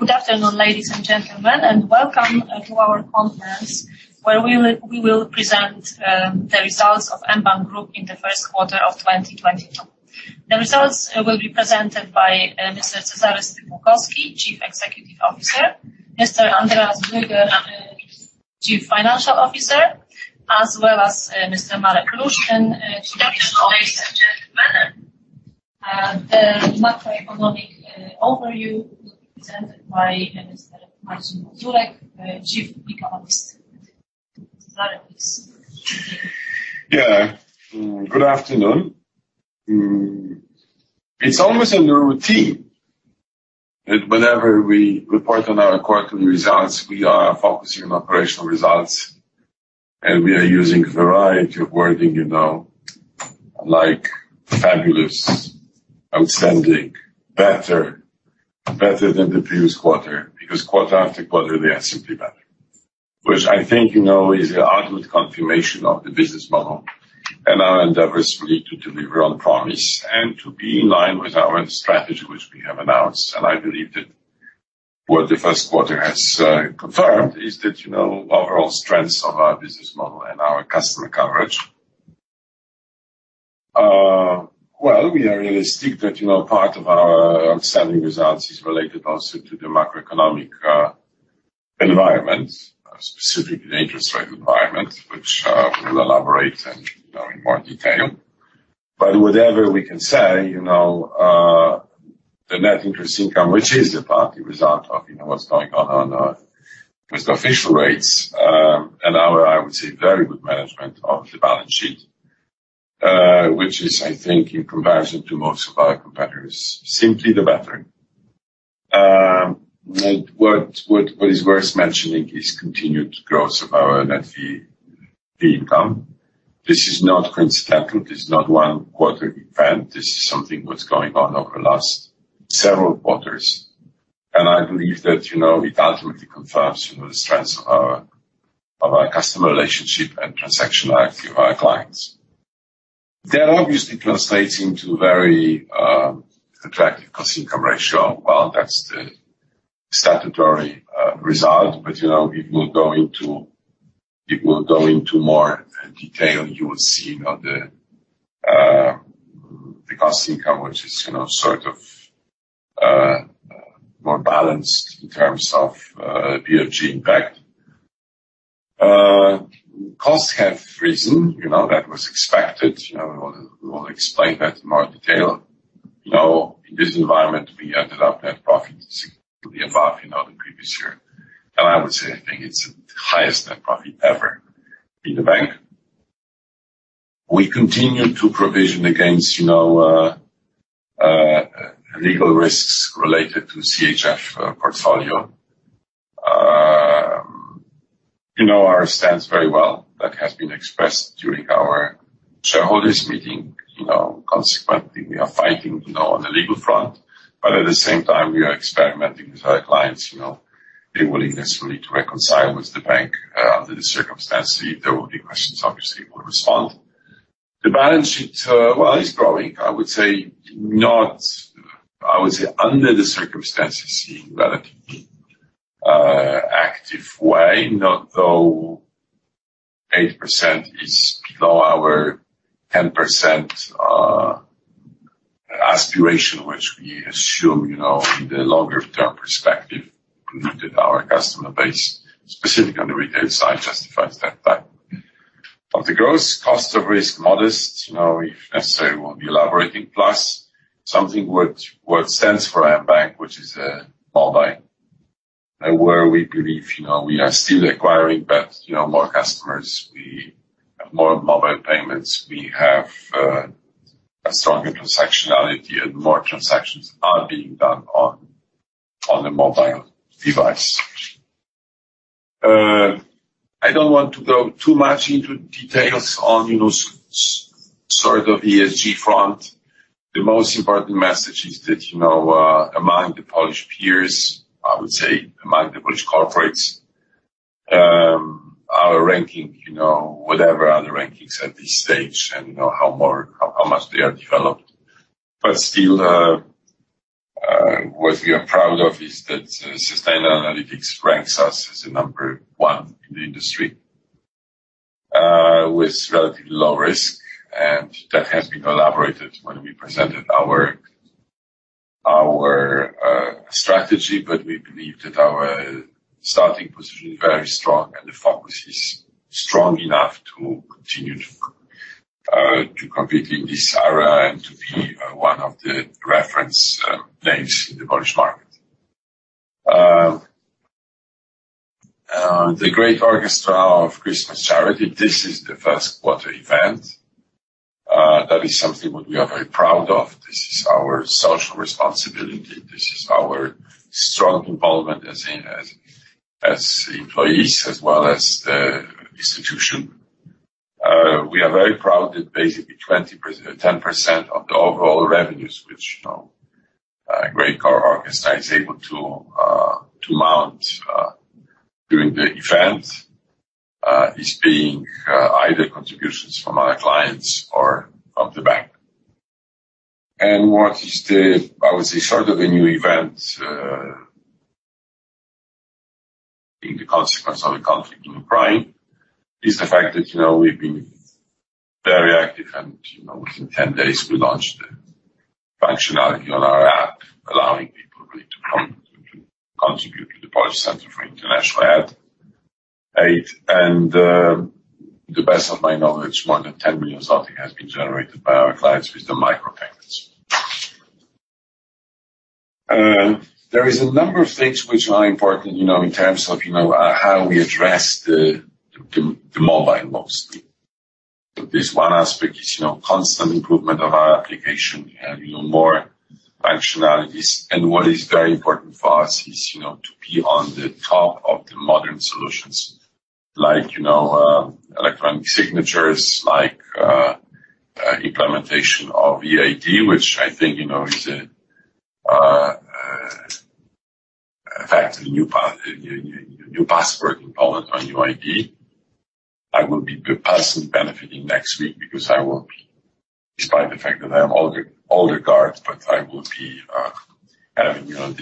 Good afternoon, ladies and gentlemen, and welcome to our conference where we will present the results of mBank Group in the first quarter of 2022. The results will be presented by Mr. Cezary Stypułkowski, Chief Executive Officer, Mr. Andreas Böger, Chief Financial Officer, as well as Mr. Marek Lusztyn, Chief Risk Officer. Ladies and gentlemen. The macroeconomic overview will be presented by Mr. Marcin Mazurek, Chief Economist. Cezary, please. Good afternoon. It's almost a new routine that whenever we report on our quarterly results, we are focusing on operational results, and we are using variety of wording, you know, like fabulous, outstanding, better than the previous quarter, because quarter after quarter, they are simply better. Which I think, you know, is the ultimate confirmation of the business model and our endeavors really to deliver on promise and to be in line with our strategy which we have announced. I believe that what the first quarter has confirmed is that, you know, overall strengths of our business model and our customer coverage. Well, we are realistic that, you know, part of our outstanding results is related also to the macroeconomic environment, specifically the interest rate environment, which we'll elaborate in, you know, in more detail. Whatever we can say, you know, the net interest income, which is partly a result of, you know, what's going on with official rates, and our, I would say, very good management of the balance sheet, which is, I think, in comparison to most of our competitors, simply better. What is worth mentioning is continued growth of our net fee income. This is not coincidental, this is not one quarter event. This is something what's going on over last several quarters. I believe that, you know, it ultimately confirms, you know, the strength of our customer relationship and transaction life through our clients. That obviously translates into very attractive cost income ratio. Well, that's the statutory result, but, you know, it will go into more detail. You will see, you know, the cost income, which is, you know, sort of more balanced in terms of BFG impact. Costs have risen, you know, that was expected. You know, we will explain that in more detail. You know, in this environment, we ended up net profits significantly above, you know, the previous year. I would say, I think it's the highest net profit ever in the bank. We continue to provision against, you know, legal risks related to CHF portfolio. You know, our stance very well. That has been expressed during our shareholders' meeting. You know, consequently, we are fighting, you know, on the legal front, but at the same time, we are experimenting with our clients, you know, their willingness really to reconcile with the bank. Under the circumstance, if there will be questions, obviously, we'll respond. The balance sheet, well, it's growing. I would say under the circumstances, seeing relatively active way, although 8% is below our 10% aspiration, which we assume, you know, in the longer term perspective, that our customer base, specifically on the retail side, justifies that. The gross cost of risk, modest. You know, if necessary, we'll be elaborating. Plus, something worth mentioning for mBank, which is mobile, where we believe, you know, we are still acquiring, but, you know, more customers. We have more mobile payments. We have a stronger transactionality, and more transactions are being done on a mobile device. I don't want to go too much into details on, you know, sort of ESG front. The most important message is that, you know, among the Polish peers, I would say among the Polish corporates, our ranking, you know, whatever other rankings at this stage, and you know, how much they are developed. Still, what we are proud of is that, Sustainalytics ranks us as the number one in the industry, with relatively low risk, and that has been elaborated when we presented our strategy. We believe that our starting position is very strong, and the focus is strong enough to continue to compete in this era and to be one of the reference names in the Polish market. The Great Orchestra of Christmas Charity, this is the first quarter event. That is something what we are very proud of. This is our social responsibility. This is our strong involvement as employees as well as the institution. We are very proud that 10% of the overall revenues, which, you know, Great Orchestra is able to mount during the event, is either contributions from our clients or from the bank. What is the, I would say, sort of a new event, being the consequence of the conflict in Ukraine, is the fact that, you know, we've been very active and, you know, within 10 days we launched the functionality on our app, allowing people really to contribute to the Polish Center for International Aid. To the best of my knowledge, more than 10 million has been generated by our clients with the micro payments. There is a number of things which are important, you know, in terms of, you know, how we address the mobile mostly. This one aspect is, you know, constant improvement of our application. We have, you know, more functionalities. What is very important for us is, you know, to be on the top of the modern solutions like, you know, electronic signatures, like implementation of eID, which I think, you know, is a fact the new passport in Poland or new ID. I will be personally benefiting next week because I will be, despite the fact that I'm an old guard, but I will be having, you know,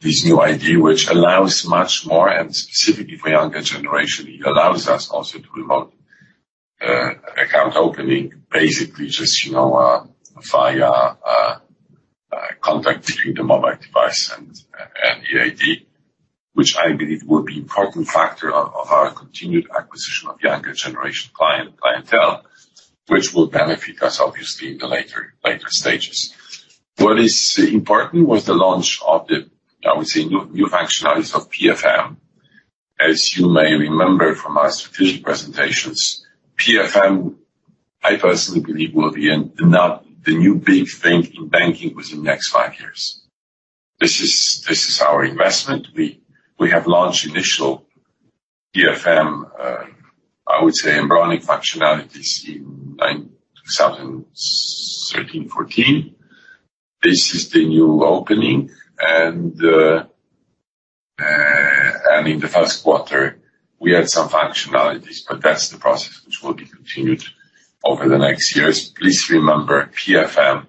this new ID, which allows much more and specifically for younger generation. It allows us also to remotely account opening, basically just, you know, via contact between the mobile device and eID, which I believe will be important factor of our continued acquisition of younger generation client, clientele, which will benefit us obviously in the later stages. What is important was the launch of the, I would say, new functionalities of PFM. As you may remember from our strategic presentations, PFM, I personally believe will be in the now the new big thing in banking within next five years. This is our investment. We have launched initial PFM, I would say embryonic functionalities in 2013, 2014. This is the new opening. In the first quarter we had some functionalities, but that's the process which will be continued over the next years. Please remember PFM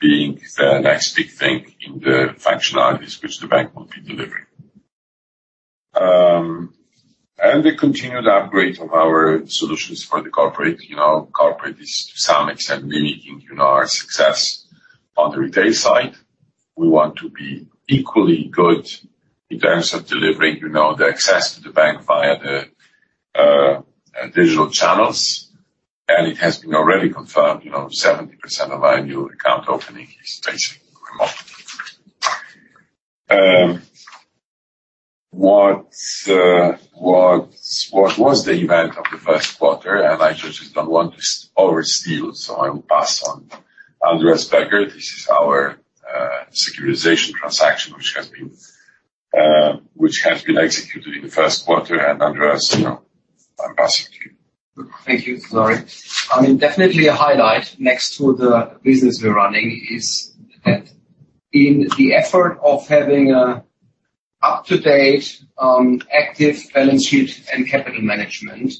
being the next big thing in the functionalities which the bank will be delivering. The continued upgrade of our solutions for the corporate. You know, corporate is to some extent limiting, you know, our success on the retail side. We want to be equally good in terms of delivering, you know, the access to the bank via the digital channels. It has been already confirmed, you know, 70% of our new account opening is basically remote. What was the event of the first quarter? I just don't want to overstate, so I will pass on Andreas Böger. This is our securitization transaction, which has been executed in the first quarter. Andreas, you know, I'm passing to you. Thank you, Cezary. I mean, definitely a highlight next to the business we're running is that in the effort of having an up-to-date, active balance sheet and capital management,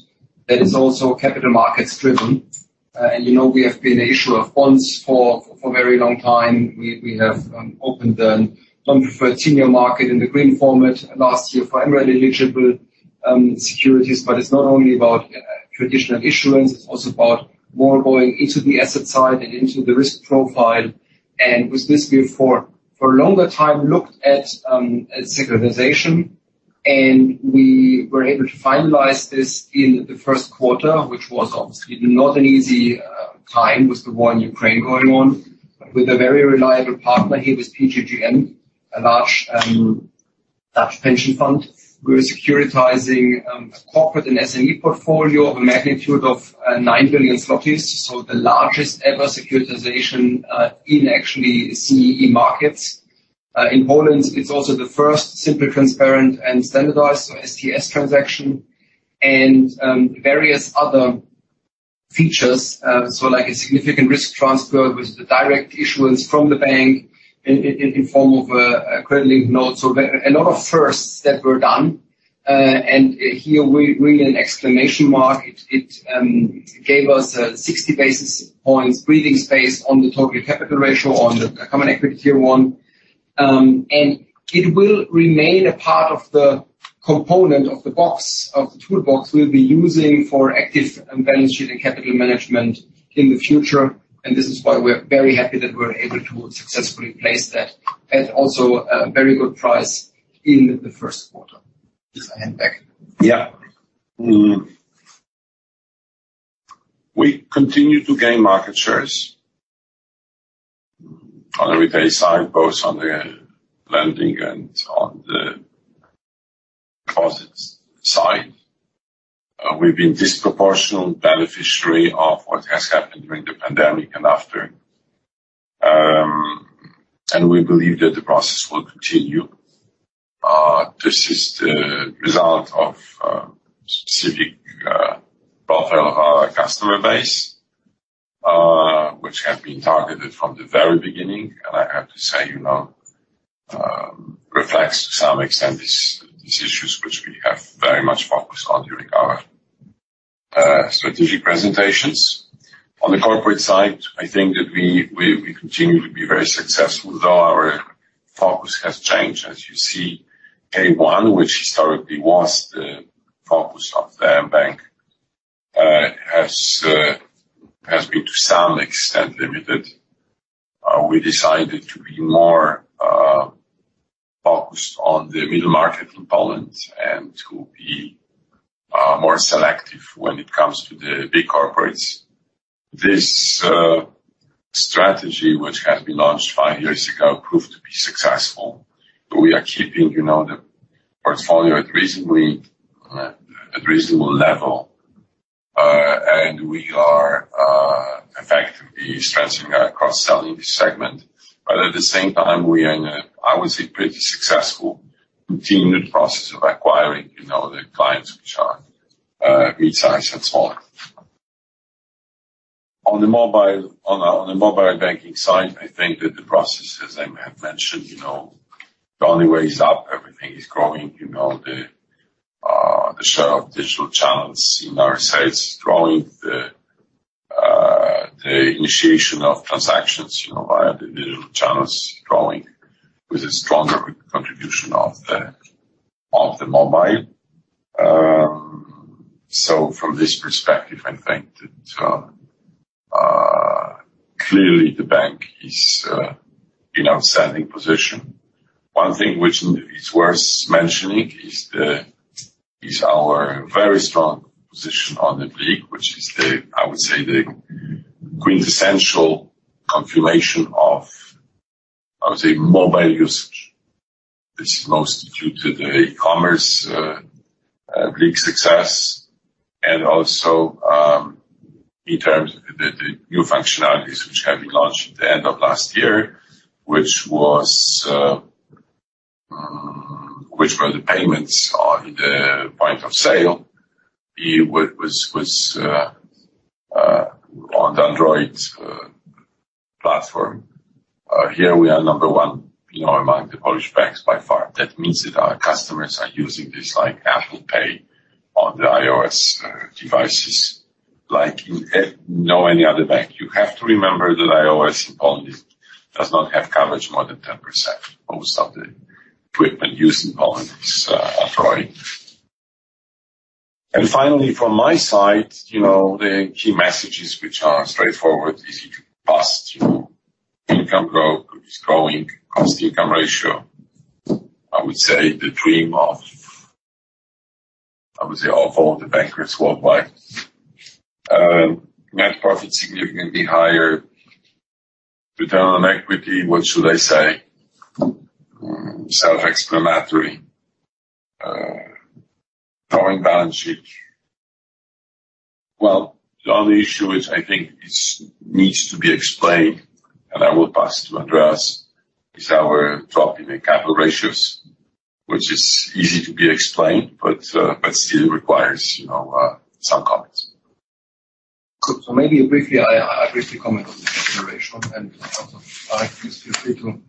that is also capital markets driven. You know, we have been an issuer of bonds for a very long time. We have opened the non-preferred senior market in the green format last year for MREL-eligible securities. It's not only about traditional issuance, it's also about more going into the asset side and into the risk profile. With this, we for a longer time looked at securitization, and we were able to finalize this in the first quarter, which was obviously not an easy time with the war in Ukraine going on. With a very reliable partner. Here was PGGM, a large pension fund. We were securitizing corporate and SME portfolio of a magnitude of 9 billion zlotys. The largest ever securitization in actually CEE markets. In Poland, it's also the first simply transparent and standardized, so STS transaction and various other features. Like a significant risk transfer with the direct issuance from the bank in form of a credit-linked note. A lot of firsts that were done. Here we need an exclamation mark. It gave us 60 basis points breathing space on the total capital ratio on the Common Equity Tier 1. It will remain a part of the component of the box, of the toolbox we'll be using for active balance sheet and capital management in the future. This is why we're very happy that we're able to successfully place that at also a very good price in the first quarter. Please, I hand back. We continue to gain market shares on a retail side, both on the lending and on the deposits side. We've been disproportionate beneficiary of what has happened during the pandemic and after. We believe that the process will continue. This is the result of specific profile of our customer base, which have been targeted from the very beginning, and I have to say, you know, reflects to some extent these issues which we have very much focused on during our strategic presentations. On the corporate side, I think that we continue to be very successful, though our focus has changed. As you see, K1, which historically was the focus of the bank, has been to some extent limited. We decided to be more focused on the middle market in Poland and to be more selective when it comes to the big corporates. This strategy, which has been launched five years ago, proved to be successful. We are keeping, you know, the portfolio at a reasonable level and we are effectively strengthening our cross-selling segment, but at the same time, we are in a, I would say, pretty successful continued process of acquiring, you know, the clients which are midsize and smaller. On the mobile banking side, I think that the process, as I may have mentioned, you know, the only way is up, everything is growing. You know, the share of digital channels in our sales is growing. The initiation of transactions, you know, via the digital channels growing with a stronger contribution of the mobile. From this perspective, I think that clearly the bank is in outstanding position. One thing which is worth mentioning is our very strong position on the BLIK, which is, I would say, the quintessential confirmation of, I would say, mobile usage. It's mostly due to the e-commerce BLIK success and also in terms of the new functionalities which have been launched at the end of last year, which were the payments on the point of sale. It was on the Android platform. Here we are number one, you know, among the Polish banks by far. That means that our customers are using this like Apple Pay on the iOS devices like in no any other bank. You have to remember that iOS in Poland does not have coverage more than 10%. Most of the equipment used in Poland is Android. Finally, from my side, you know, the key messages which are straightforward, easy to pass to you. Income growth is growing. Cost income ratio, I would say the dream of, I would say, all the bankers worldwide. Net profit significantly higher. Return on equity, what should I say? Self-explanatory. Growing balance sheet. Well, the only issue which I think needs to be explained, and I will pass to Andreas, is our drop in the capital ratios, which is easy to be explained, but still requires, you know, some comments. Good. Maybe briefly, I'll briefly comment on the capital ratio and also, Marek, feel free to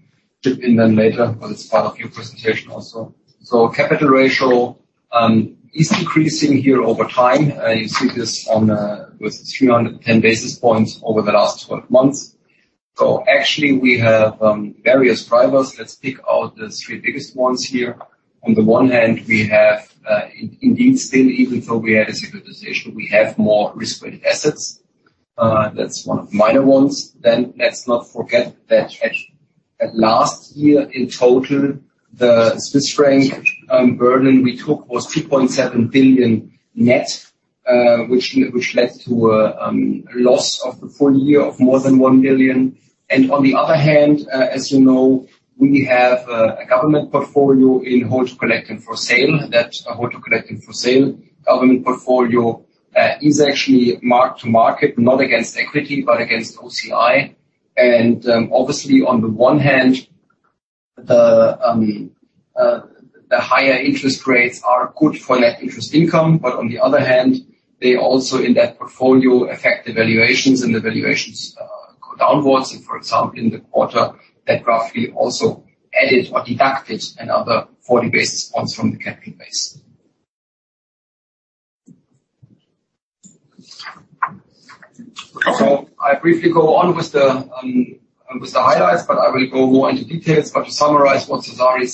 chip in then later, but it's part of your presentation also. Capital ratio is increasing here over time. You see this with 310 basis points over the last 12 months. Actually we have various drivers. Let's pick out the three biggest ones here. On the one hand, we have indeed still, even though we had a securitization, we have more risk-weighted assets. That's one of the minor ones. Let's not forget that at last year, in total, the Swiss franc burden we took was 2.7 billion net, which led to a loss of the full-year of more than 1 billion. On the other hand, as you know, we have a government portfolio in held to collect and sell. That held to collect and sell government portfolio is actually marked to market, not against equity, but against OCI. Obviously, on the one hand, the higher interest rates are good for net interest income, but on the other hand, they also in that portfolio affect the valuations, and the valuations go downwards. For example, in the quarter, that roughly also added or deducted another 40 basis points from the capital base. I briefly go on with the highlights, but I will go more into details. To summarize what Cezary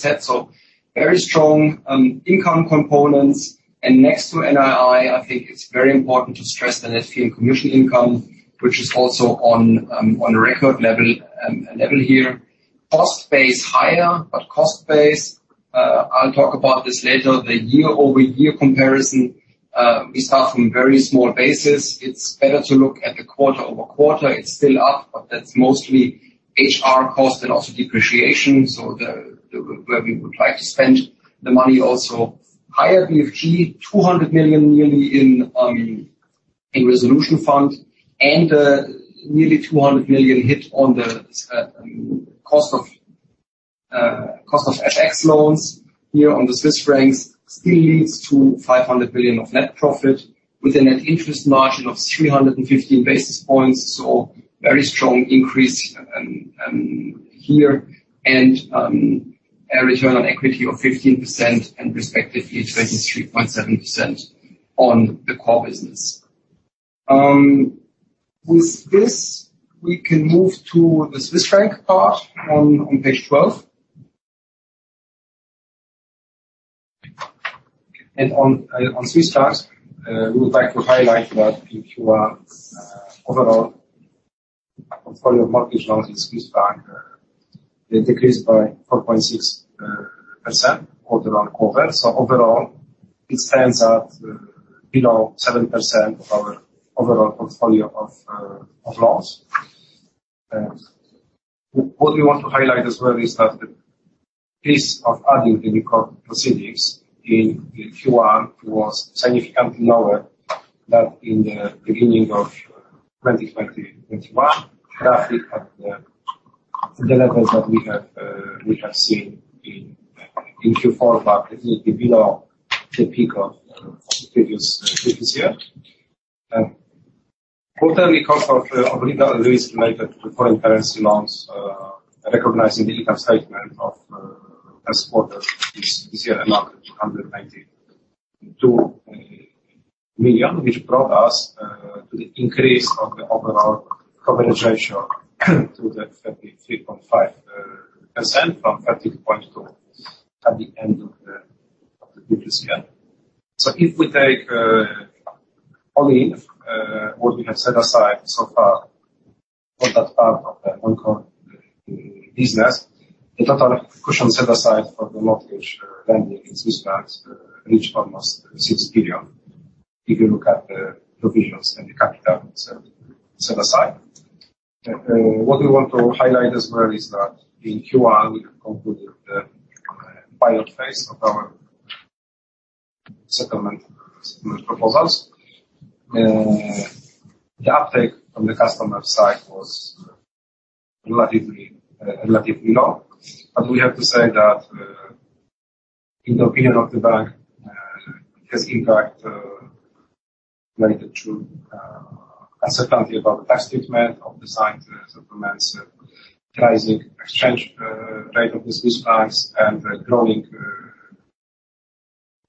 said, very strong income components. Next to NII, I think it's very important to stress the net fee and commission income, which is also on a record level here. Cost base higher, but cost base, I'll talk about this later. The year-over-year comparison, we start from very small basis. It's better to look at the quarter-over-quarter. It's still up, but that's mostly HR costs and also depreciation. Where we would like to spend the money also. Higher BFG, nearly 200 million in a resolution fund and nearly 200 million hit on the cost of FX loans here on the Swiss francs still leads to 500 million of net profit with an interest margin of 315 basis points. Very strong increase here and a return on equity of 15% and respective CET1 is 3.7% on the core business. With this, we can move to the Swiss franc part on page 12. On Swiss francs, we would like to highlight that Q1 overall portfolio mortgage loans in Swiss franc, they decreased by 4.6% quarter-on-quarter. Overall, it stands at below 7% of our overall portfolio of loans. What we want to highlight as well is that the pace of adding in the court proceedings in Q1 was significantly lower than in the beginning of 2021, roughly at the levels that we have seen in Q4, but it will be below the peak of previous year. Quarterly cost of original risk related to foreign currency loans, recognizing the income statement of first quarter this year amounted to 192 million, which brought us to the increase of the overall coverage ratio to the 33.5% from 13.2% at the end of the previous year. If we take only what we have set aside so far for that part of the non-core business, the total cushion set aside for the mortgage lending in Swiss francs reached almost 6 billion if you look at the provisions and the capital set aside. What we want to highlight as well is that in Q1, we have concluded the pilot phase of our settlement proposals. The uptake on the customer side was relatively low. We have to say that, in the opinion of the bank, it has impact related to uncertainty about the tax treatment of the signed settlements, pricing, exchange rate of the Swiss francs, and the growing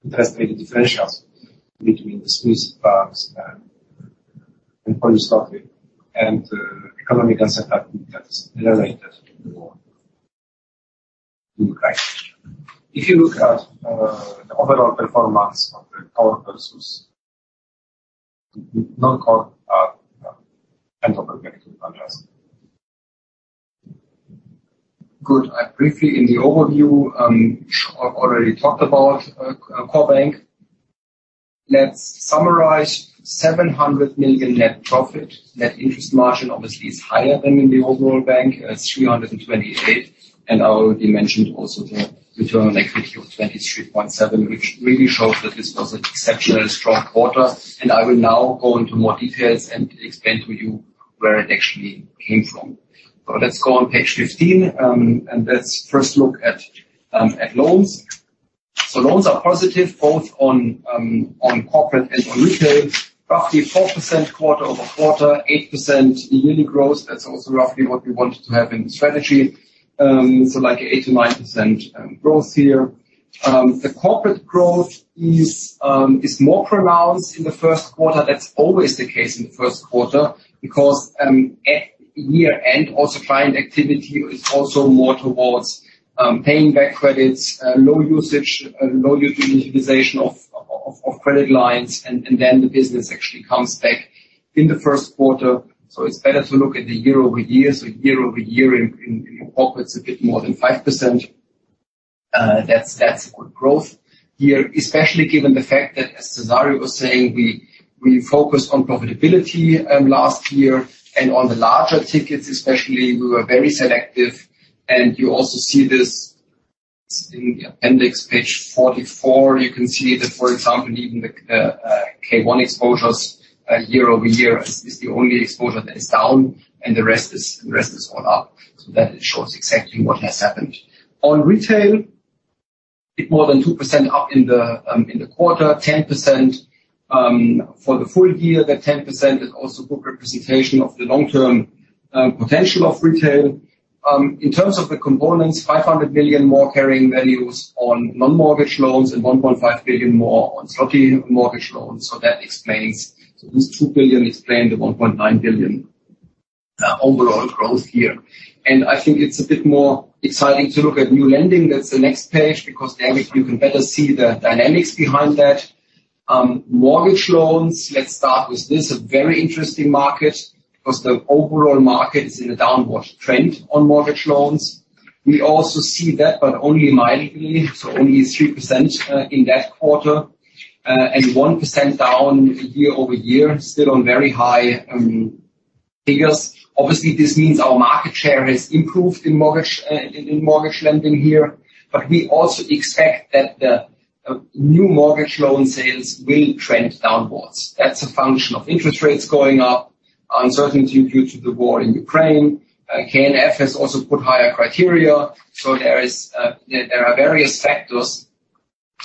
interest rate differentials between the Swiss francs and Polish zloty, and economic uncertainty that is related to the war in Ukraine. If you look at the overall performance of the core versus non-core operating under stress. Good. I briefly in the overview, I've already talked about core bank. Let's summarize 700 million net profit. Net interest margin obviously is higher than in the overall bank. It's 3.28%, and I already mentioned also the return on equity of 23.7%, which really shows that this was an exceptionally strong quarter. I will now go into more details and explain to you where it actually came from. Let's go on page 15, and let's first look at loans. Loans are positive both on corporate and on retail, roughly 4% quarter-over-quarter, 8% year-over-year growth. That's also roughly what we wanted to have in the strategy, so like 8%-9% growth here. The corporate growth is more pronounced in the first quarter. That's always the case in the first quarter because at year-end also client activity is also more towards paying back credits, low usage, low utilization of credit lines. The business actually comes back in the first quarter. It's better to look at the year-over-year. Year-over-year in corporates a bit more than 5%. That's good growth here, especially given the fact that as Cezary was saying, we focused on profitability last year, and on the larger tickets especially, we were very selective. You also see this in the appendix, page 44. You can see that, for example, even the K1 exposures year-over-year is the only exposure that is down, and the rest is all up. That shows exactly what has happened. On retail, a bit more than 2% up in the quarter, 10% for the full-year. That 10% is also good representation of the long-term potential of retail. In terms of the components, 500 million more carrying values on non-mortgage loans and 1.5 billion more on zloty mortgage loans. That explains. These 2 billion explain the 1.9 billion overall growth here. I think it's a bit more exciting to look at new lending. That's the next page because there you can better see the dynamics behind that. Mortgage loans, let's start with this. A very interesting market because the overall market is in a downward trend on mortgage loans. We also see that, but only mildly, so only 3%, in that quarter, and 1% down year-over-year, still on very high. Because obviously this means our market share has improved in mortgage lending here. We also expect that the new mortgage loan sales will trend downwards. That's a function of interest rates going up, uncertainty due to the war in Ukraine. KNF has also put higher criteria. There are various factors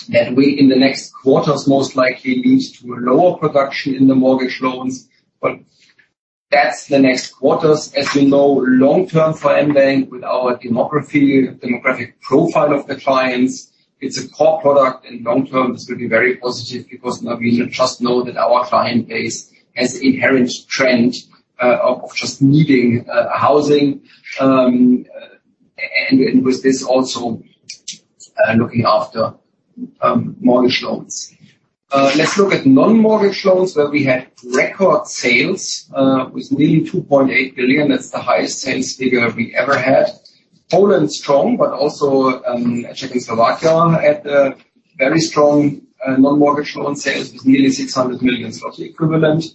that will, in the next quarters, most likely lead to a lower production in the mortgage loans. That's the next quarters. As you know, long term for mBank, with our demography, demographic profile of the clients, it's a core product, and long term this will be very positive because we just know that our client base has inherent trend of just needing housing. With this also, looking after mortgage loans. Let's look at non-mortgage loans, where we had record sales with nearly 2.8 billion. That's the highest sales figure we ever had. Poland strong, but also Czech and Slovakia had a very strong non-mortgage loan sales with nearly 600 million zlotys equivalent.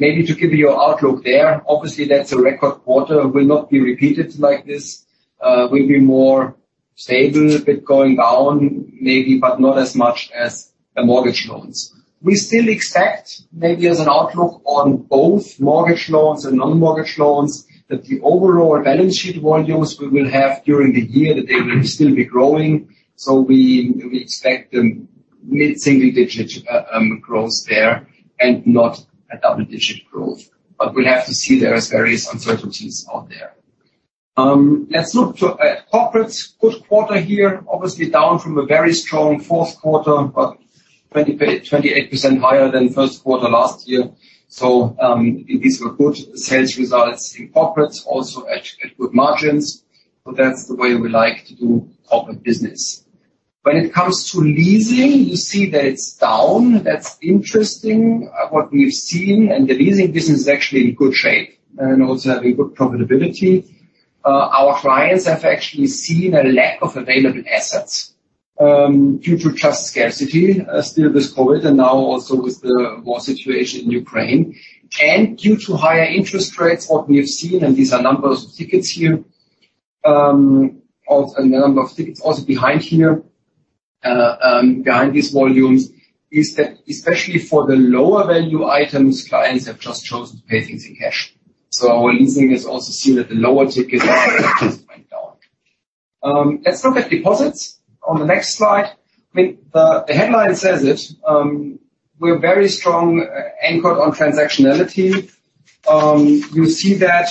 Maybe to give you an outlook there, obviously that's a record quarter. Will not be repeated like this. We'll be more stable, a bit going down maybe, but not as much as the mortgage loans. We still expect maybe as an outlook on both mortgage loans and non-mortgage loans, that the overall balance sheet volumes we will have during the year, that they will still be growing. We expect a mid-single-digit growth there and not a double-digit growth. We'll have to see. There is various uncertainties out there. Let's look to corporate. Good quarter here. Obviously down from a very strong fourth quarter, but 28% higher than first quarter last year. These were good sales results in corporate also at good margins. That's the way we like to do corporate business. When it comes to leasing, you see that it's down. That's interesting, what we've seen. The leasing business is actually in good shape and also having good profitability. Our clients have actually seen a lack of available assets, due to just scarcity, still with COVID and now also with the war situation in Ukraine. Due to higher interest rates, what we have seen, and these are numbers of tickets here, of a number of tickets also behind here. Behind these volumes is that especially for the lower value items, clients have just chosen to pay things in cash. Our leasing has also seen that the lower ticket went down. Let's look at deposits on the next slide. I mean, the headline says it. We're very strong anchored on transactionality. You see that,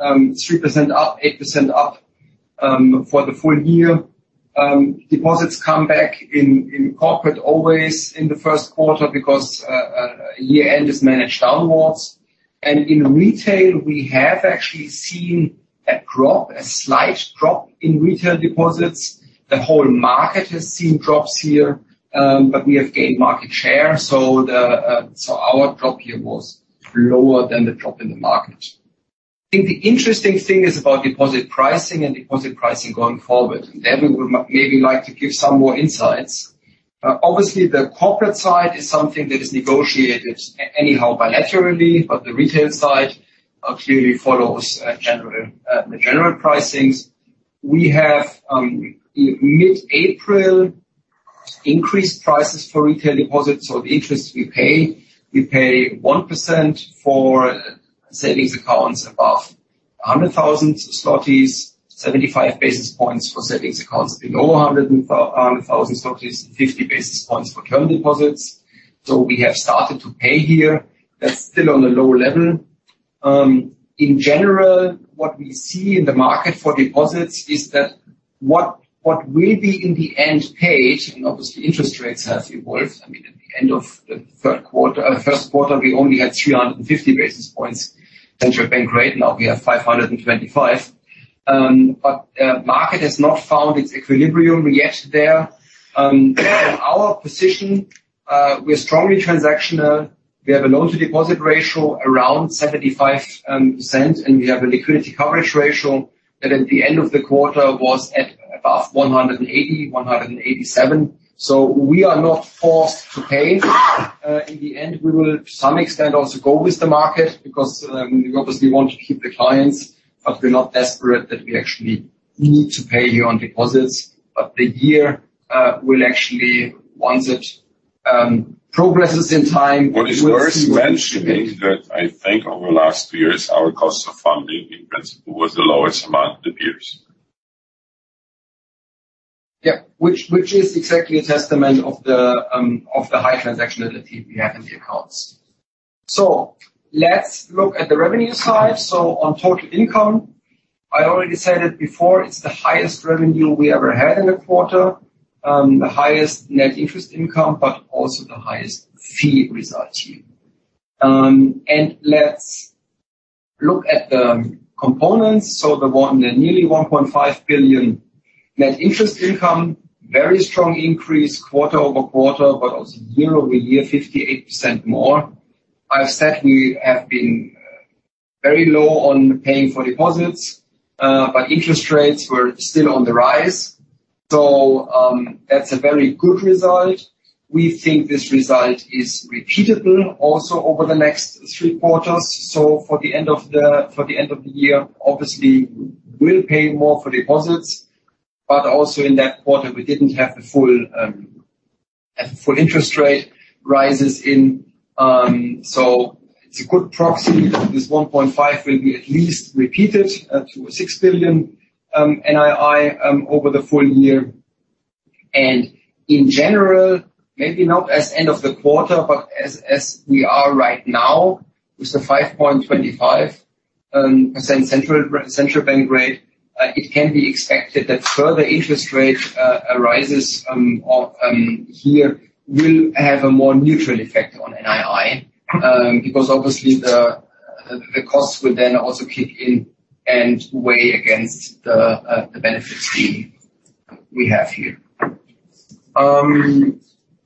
3% up, 8% up, for the full-year. Deposits come back in corporate always in the first quarter because year-end is managed downwards. In retail we have actually seen a drop, a slight drop in retail deposits. The whole market has seen drops here, but we have gained market share. Our drop here was lower than the drop in the market. I think the interesting thing is about deposit pricing and deposit pricing going forward, and there we would maybe like to give some more insights. Obviously the corporate side is something that is negotiated anyhow bilaterally, but the retail side clearly follows the general pricings. We have in mid-April increased prices for retail deposits or the interest we pay. We pay 1% for savings accounts above 100,000 zlotys, 75 basis points for savings accounts below 100,000 zlotys, and 50 basis points for term deposits. We have started to pay here. That's still on a low level. In general, what we see in the market for deposits is that what will be in the end paid, and obviously interest rates have evolved. I mean, at the end of the first quarter, we only had 350 basis points central bank rate, now we have 525. But the market has not found its equilibrium yet there. In our position, we're strongly transactional. We have a loan to deposit ratio around 75%, and we have a liquidity coverage ratio that at the end of the quarter was at above 187. We are not forced to pay. In the end, we will to some extent also go with the market because we obviously want to keep the clients, but we're not desperate that we actually need to pay here on deposits. The year will actually once it progresses in time- What is worse is that I think over the last two years, our cost of funding in principle was the lowest among the peers. Which is exactly a testament of the high transactionality we have in the accounts. Let's look at the revenue side. On total income, I already said it before, it's the highest revenue we ever had in a quarter. The highest net interest income, but also the highest fee results here. Let's look at the components. The nearly 1.5 billion net interest income, very strong increase quarter-over-quarter, but also year-over-year, 58% more. I've said we have been very low on paying for deposits, but interest rates were still on the rise. That's a very good result. We think this result is repeatable also over the next three quarters. For the end of the year, obviously we'll pay more for deposits. Also in that quarter, we didn't have the full interest rate rises in. So it's a good proxy. This 1.5 will be at least repeated to 6 billion NII over the full-year. In general, maybe not as end of the quarter, but as we are right now with the 5.25% central bank rate, it can be expected that further interest rate rises here will have a more neutral effect on NII.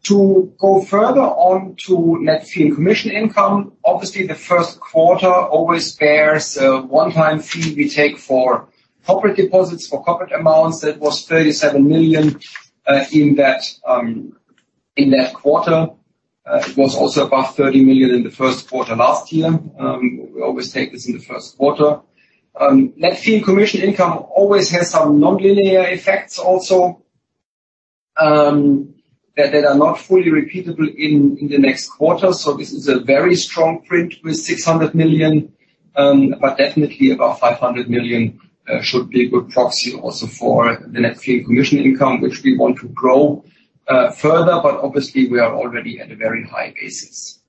To go further on to net fee and commission income. Obviously, the first quarter always bears a one-time fee we take for corporate deposits. For corporate amounts, that was 37 million in that quarter. It was also above 30 million in the first quarter last year. We always take this in the first quarter. Net fee and commission income always has some non-linear effects also that are not fully repeatable in the next quarter. This is a very strong print with 600 million, but definitely about 500 million should be a good proxy also for the net fee and commission income, which we want to grow further. Obviously we are already at a very high basis.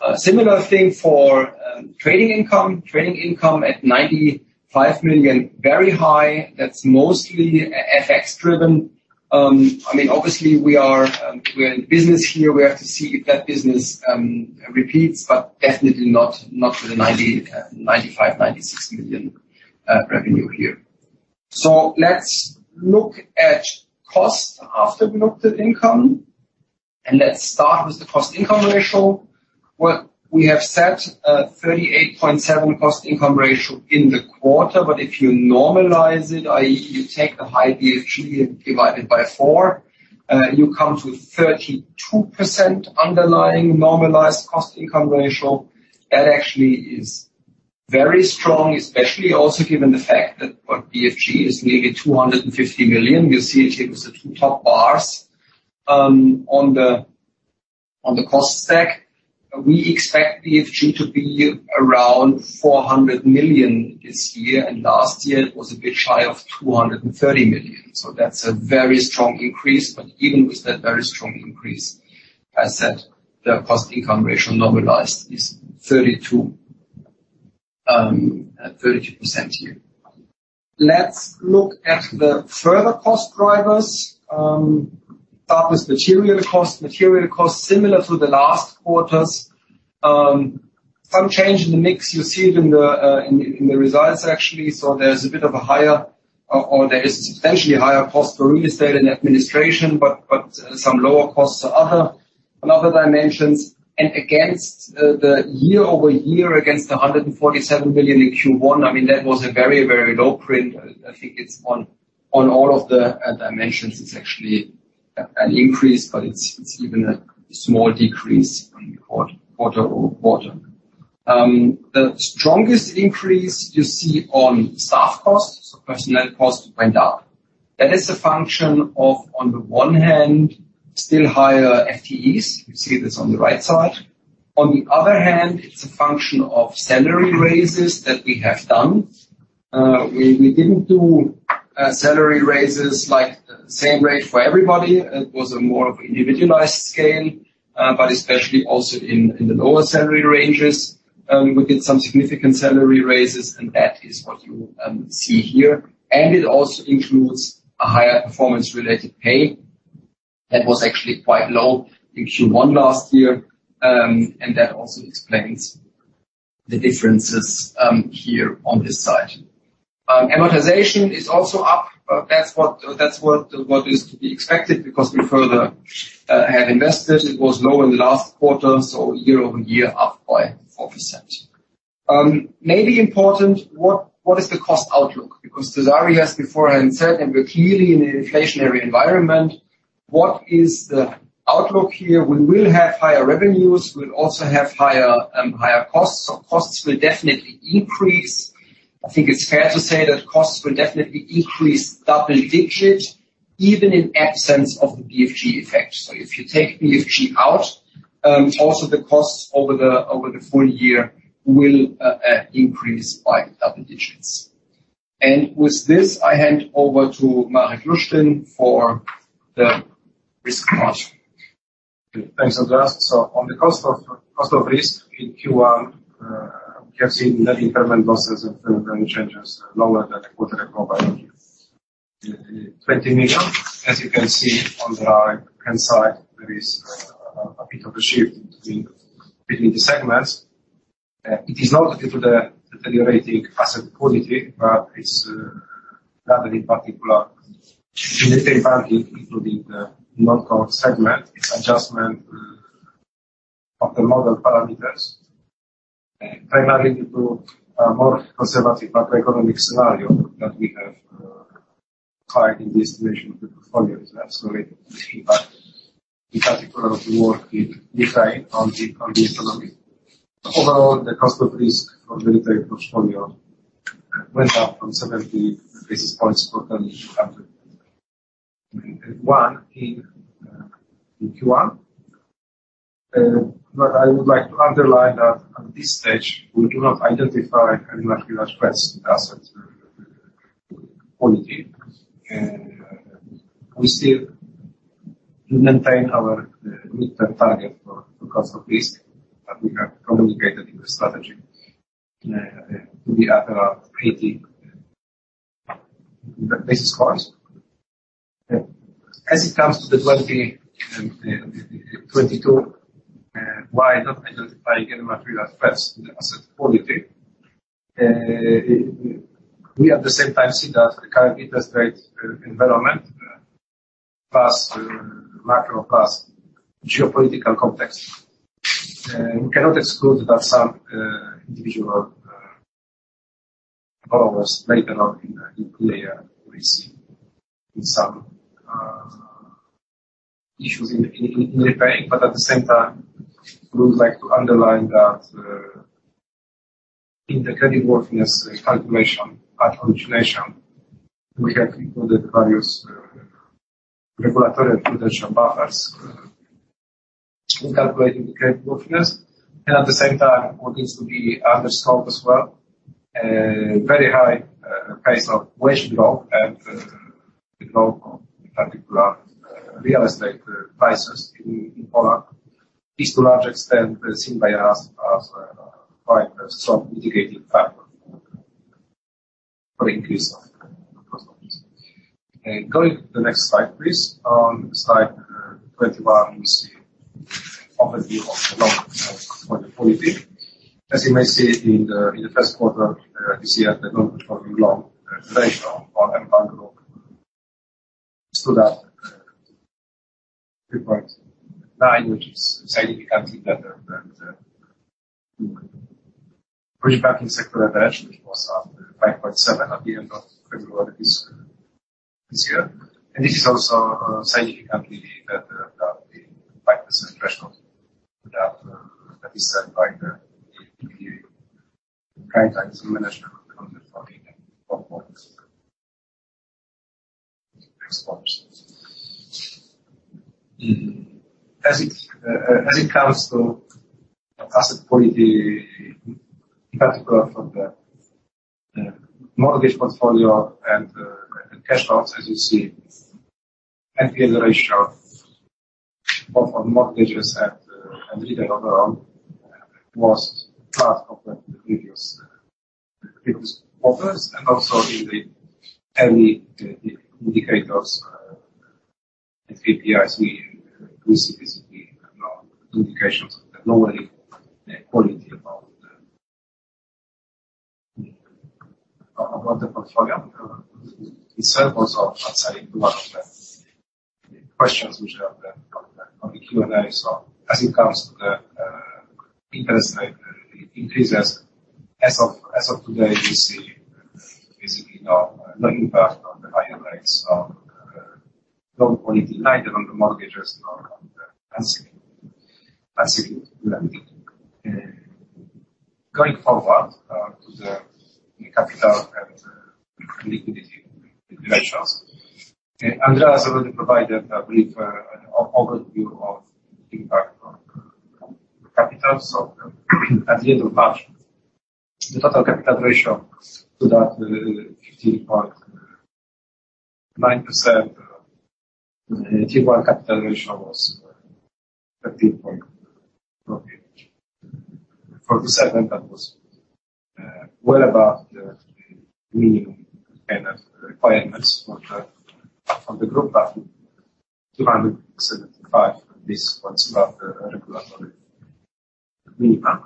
A similar thing for trading income. Trading income at 95 million, very high. That's mostly FX-driven. I mean, obviously we're in business here. We have to see if that business repeats, but definitely not with the 95 million-96 million revenue here. Let's look at cost after we looked at income, and let's start with the cost-income ratio, where we have 38.7% cost-income ratio in the quarter. If you normalize it, i.e. you take the high BFG and divide it by four, you come to 32% underlying normalized cost-income ratio. That actually is very strong, especially also given the fact that BFG is nearly 250 million. You see it here with the two top bars on the cost stack. We expect BFG to be around 400 million this year, and last year it was a bit shy of 230 million. That's a very strong increase. Even with that very strong increase, as said, the cost-income ratio normalized is 32% here. Let's look at the further cost drivers. Start with material costs. Material costs similar to the last quarters. Some change in the mix. You see it in the results, actually. There is substantially higher cost for real estate and administration, but some lower costs to other dimensions. Against the year-over-year, against the 147 million in Q1, I mean, that was a very low print. I think it's on all of the dimensions, it's actually an increase, but it's even a small decrease from quarter-over-quarter. The strongest increase you see on staff costs. Personnel costs went up. That is a function of, on the one hand, still higher FTEs. You see this on the right side. On the other hand, it's a function of salary raises that we have done. We didn't do salary raises like the same rate for everybody. It was more of an individualized scale, but especially also in the lower salary ranges, we did some significant salary raises, and that is what you see here. It also includes a higher performance-related pay that was actually quite low in Q1 last year. That also explains the differences here on this side. Amortization is also up. That's what is to be expected because we further had invested. It was low in the last quarter, so year-over-year, up by 4%. Maybe important, what is the cost outlook? Because Cezary has beforehand said, and we're clearly in an inflationary environment, what is the outlook here? We will have higher revenues. We'll also have higher costs. Costs will definitely increase. I think it's fair to say that costs will definitely increase double digits even in absence of the BFG effect. If you take BFG out, also the costs over the full-year will increase by double digits. With this, I hand over to Marek Lusztyn for the risk part. Thanks, Andreas. On the cost of risk in Q1, we have seen net impairment losses lower than the quarter ago by 20 million. As you can see on the right-hand side, there is a bit of a shift between the segments. It is not due to the deteriorating asset quality, but it's rather in particular in the SME banking, including the non-core segment. It's adjustment of the model parameters, primarily due to a more conservative macroeconomic scenario that we have applied in this region of the portfolio that absolutely impacts in particular the war in Ukraine on the economy. Overall, the cost of risk for the retail portfolio went up from 70 basis points total to 101 in Q1. I would like to underline that at this stage, we do not identify any material stress in asset quality. We still maintain our mid-term target for cost of risk that we have communicated in the strategy to be at around 80 basis points. As it comes to 2022, we do not identify any material stress in asset quality. We at the same time see that the current interest rate environment plus macro plus geopolitical context. We cannot exclude that some individual borrowers may turn out to be at risk in some issues in repaying. At the same time, we would like to underline that in the creditworthiness calculation at origination we have included various regulatory and prudential buffers in calculating the creditworthiness. At the same time, what needs to be underscored as well, very high pace of wage growth and the growth of in particular real estate prices in Poland is to large extent seen by us as quite a strong mitigating factor for increase of cost of risk. Going to the next slide, please. On slide 21 we see overview of the loan portfolio quality. As you may see in the first quarter this year the non-performing loan ratio on mBank loan stood at 3.9%, which is significantly better than the Polish banking sector average which was at 5.7% at the end of February this year. This is also significantly better than the 5% threshold that is set by the current management of the loan portfolio. As it comes to asset quality in particular from the mortgage portfolio and cash loans, as you see, NPL ratio both on mortgages and retail overall was flat compared to the previous quarters, and also in the early indicators and KPIs we receive is the no indications of the lowering quality about the portfolio itself. Also answering to one of the questions which are on the Q&A. As it comes to the interest rate increases, as of today, we see basically no impact on the higher rates on loan quality, neither on the mortgages nor on the unsecured lending. Going forward to the capital and liquidity ratios. Andreas already provided a brief overview of impact on capital. At the end of March, the total capital ratio stood at 50.9%. The Tier 1 capital ratio was 13.48. For CET1 that was well above the minimum requirements for the group level, 275. This was above the regulatory minimum.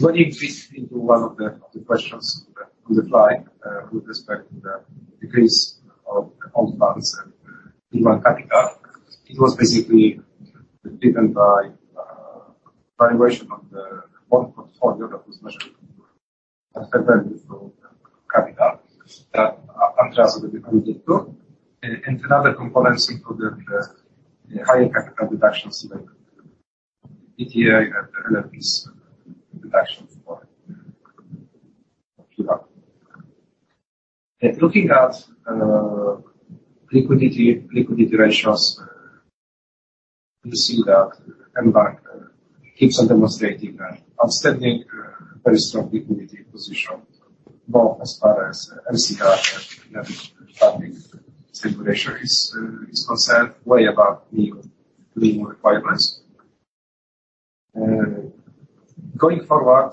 Going into one of the questions on the slide, with respect to the decrease in on-balance capital. It was basically driven by valuation of the bond portfolio that was measured at fair value for capital that Andreas already pointed to. Other components included the higher capital deductions related to DTA and LFIs deductions for Q1. Looking at liquidity ratios, you see that mBank keeps on demonstrating an outstanding, very strong liquidity position both as far as LCR and net funding stability ratio is concerned, way above minimum requirements. Going forward,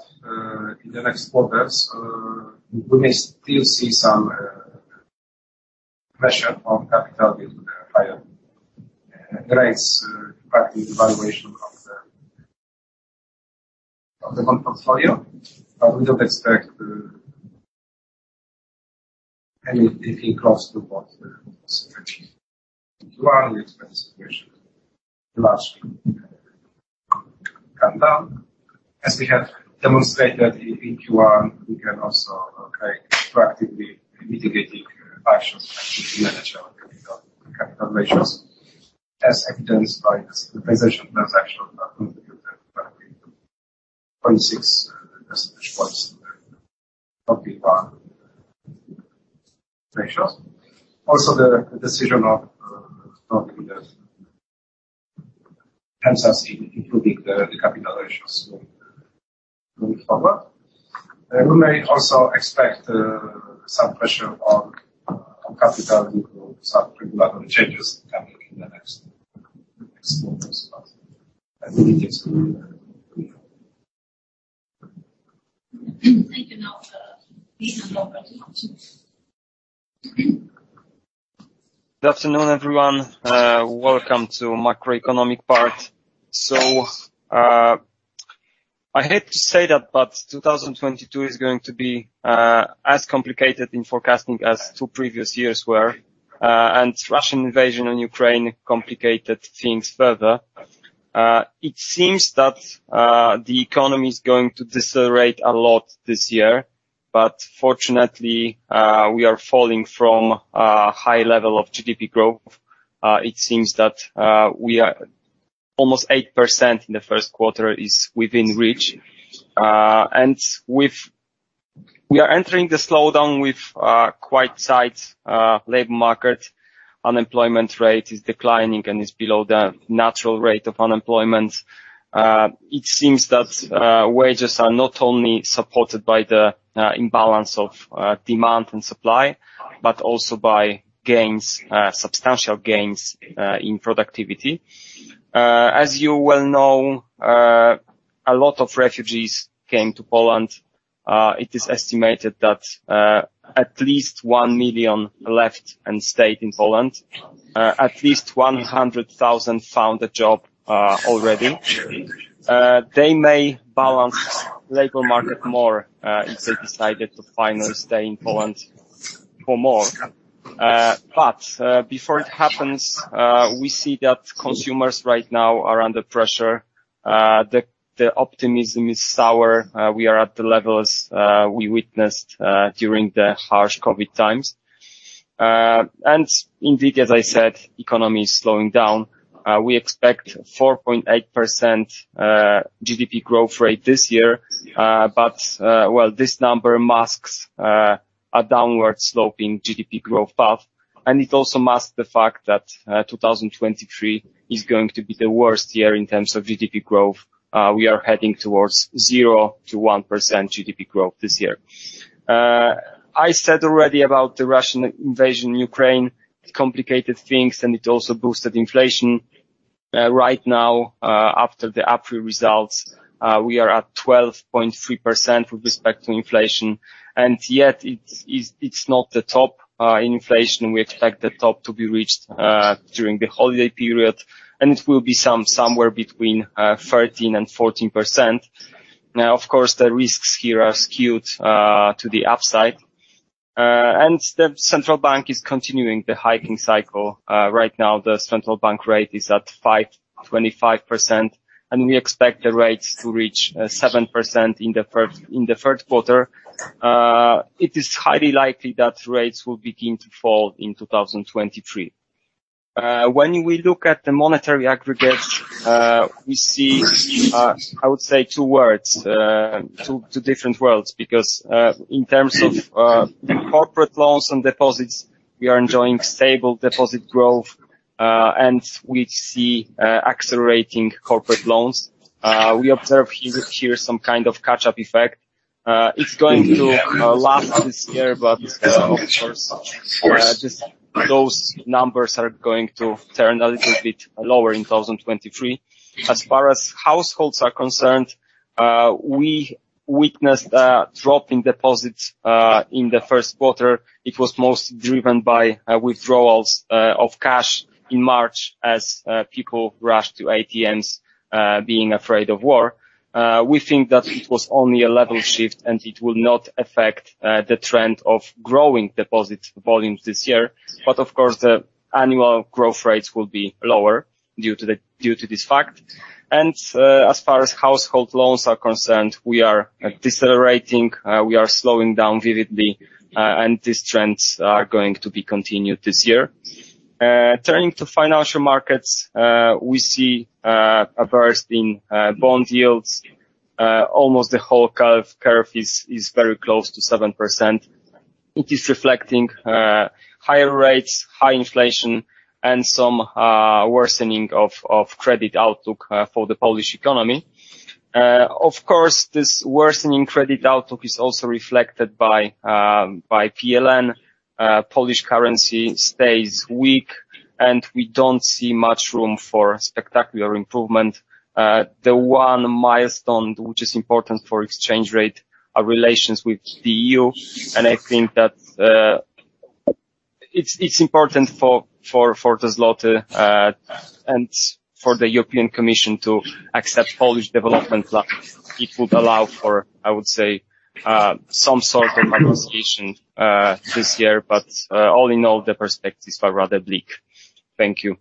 in the next quarters, we may still see some pressure on capital due to the higher rates impacting the valuation of the bond portfolio, but we don't expect anything close to what was achieved in Q1, as we have demonstrated in Q1. We can also try proactively mitigating pressures on the managerial capital ratios, as evidenced by the reposition transaction that contributed 20.6 percentage points of the bond ratios. Hence, us improving the capital ratios going forward. We may also expect some pressure on capital due to some regulatory changes coming in the next quarters, but I think it's good. Thank you. Now, Marcin Mazurek. Good afternoon, everyone. Welcome to macroeconomic part. I hate to say that, but 2022 is going to be as complicated in forecasting as two previous years were. Russian invasion on Ukraine complicated things further. It seems that the economy is going to decelerate a lot this year, but fortunately, we are falling from a high level of GDP growth. It seems that we are almost 8% in the first quarter is within reach. We are entering the slowdown with quite tight labor market. Unemployment rate is declining and is below the natural rate of unemployment. It seems that wages are not only supported by the imbalance of demand and supply, but also by gains, substantial gains in productivity. As you well know, a lot of refugees came to Poland. It is estimated that at least one million left and stayed in Poland. At least 100,000 found a job already. They may balance labor market more if they decided to finally stay in Poland for more. But before it happens, we see that consumers right now are under pressure. The optimism is sour. We are at the levels we witnessed during the harsh COVID times. Indeed, as I said, economy is slowing down. We expect 4.8% GDP growth rate this year. This number masks a downward sloping GDP growth path, and it also masks the fact that 2023 is going to be the worst year in terms of GDP growth. We are heading towards 0%-1% GDP growth this year. I said already about the Russian invasion in Ukraine. It complicated things, and it also boosted inflation. Right now, after the April results, we are at 12.3% with respect to inflation, and yet it's not the top inflation. We expect the top to be reached during the holiday period, and it will be somewhere between 13% and 14%. Now, of course, the risks here are skewed to the upside. The central bank is continuing the hiking cycle. Right now, the central bank rate is at 5.25%, and we expect the rates to reach 7% in the third quarter. It is highly likely that rates will begin to fall in 2023. When we look at the monetary aggregates, we see, I would say two different worlds because in terms of corporate loans and deposits, we are enjoying stable deposit growth, and we see accelerating corporate loans. We observe here some kind of catch-up effect. It's going to last this year, but of course just those numbers are going to turn a little bit lower in 2023. As far as households are concerned, we witnessed a drop in deposits in the first quarter. It was most driven by withdrawals of cash in March as people rushed to ATMs being afraid of war. We think that it was only a level shift, and it will not affect the trend of growing deposit volumes this year. Of course, the annual growth rates will be lower due to this fact. As far as household loans are concerned, we are decelerating. We are slowing down vividly. These trends are going to be continued this year. Turning to financial markets, we see a burst in bond yields. Almost the whole curve is very close to 7%. It is reflecting higher rates, high inflation, and some worsening of credit outlook for the Polish economy. Of course, this worsening credit outlook is also reflected by PLN. Polish currency stays weak, and we don't see much room for spectacular improvement. The one milestone which is important for exchange rate are relations with the EU, and I think that it's important for the zloty and for the European Commission to accept Polish development plans. It would allow for, I would say, some sort of participation this year. All in all, the perspectives are rather bleak. Thank you.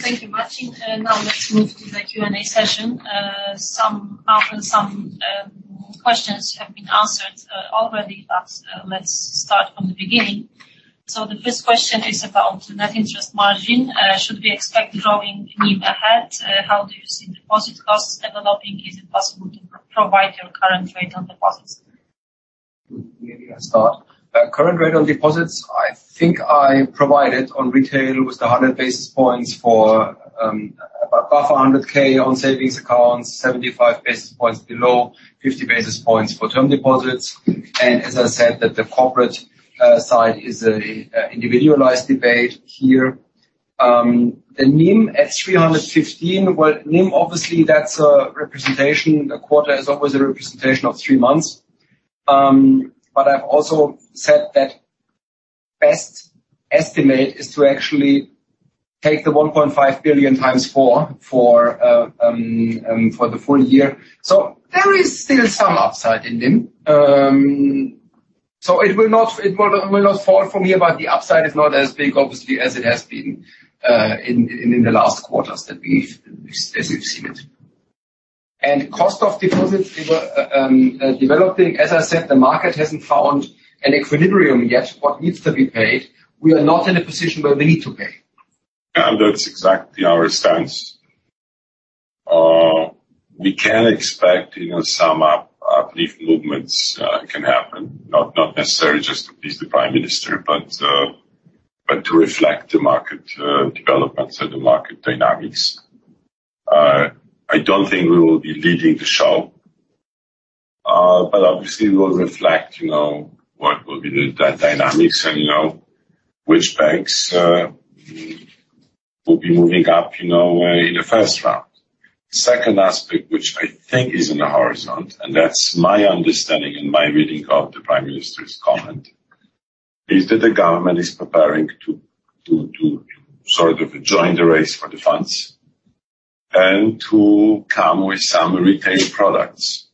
Thank you, Marcin. Now let's move to the Q&A session. Some questions have been answered already, but let's start from the beginning. The first question is about net interest margin. Should we expect growing NIM ahead? How do you see deposit costs developing? Is it possible to provide your current rate on deposits? Maybe I start. Current rate on deposits, I think I provided on retail with 100 basis points for above 100,000 on savings accounts, 75 basis points below, 50 basis points for term deposits. As I said that the corporate side is a individualized debate here. The NIM at 315. Well, NIM, obviously, that's a representation. A quarter is always a representation of three months. But I've also said that best estimate is to actually take the 1.5 billion times four for the full-year. There is still some upside in NIM. It will not fall for me, but the upside is not as big, obviously, as it has been in the last quarters that we've seen it. Cost of deposits, they were developing. As I said, the market hasn't found an equilibrium yet. What needs to be paid, we are not in a position where we need to pay. That's exactly our stance. We can expect, you know, some uplift movements can happen, not necessarily just to please the Prime Minister, but to reflect the market developments and the market dynamics. I don't think we will be leading the show, but obviously we'll reflect, you know, what will be the dynamics and, you know, which banks will be moving up, you know, in the first round. Second aspect, which I think is on the horizon, and that's my understanding and my reading of the Prime Minister's comment, is that the government is preparing to sort of join the race for the funds and to come with some retail products,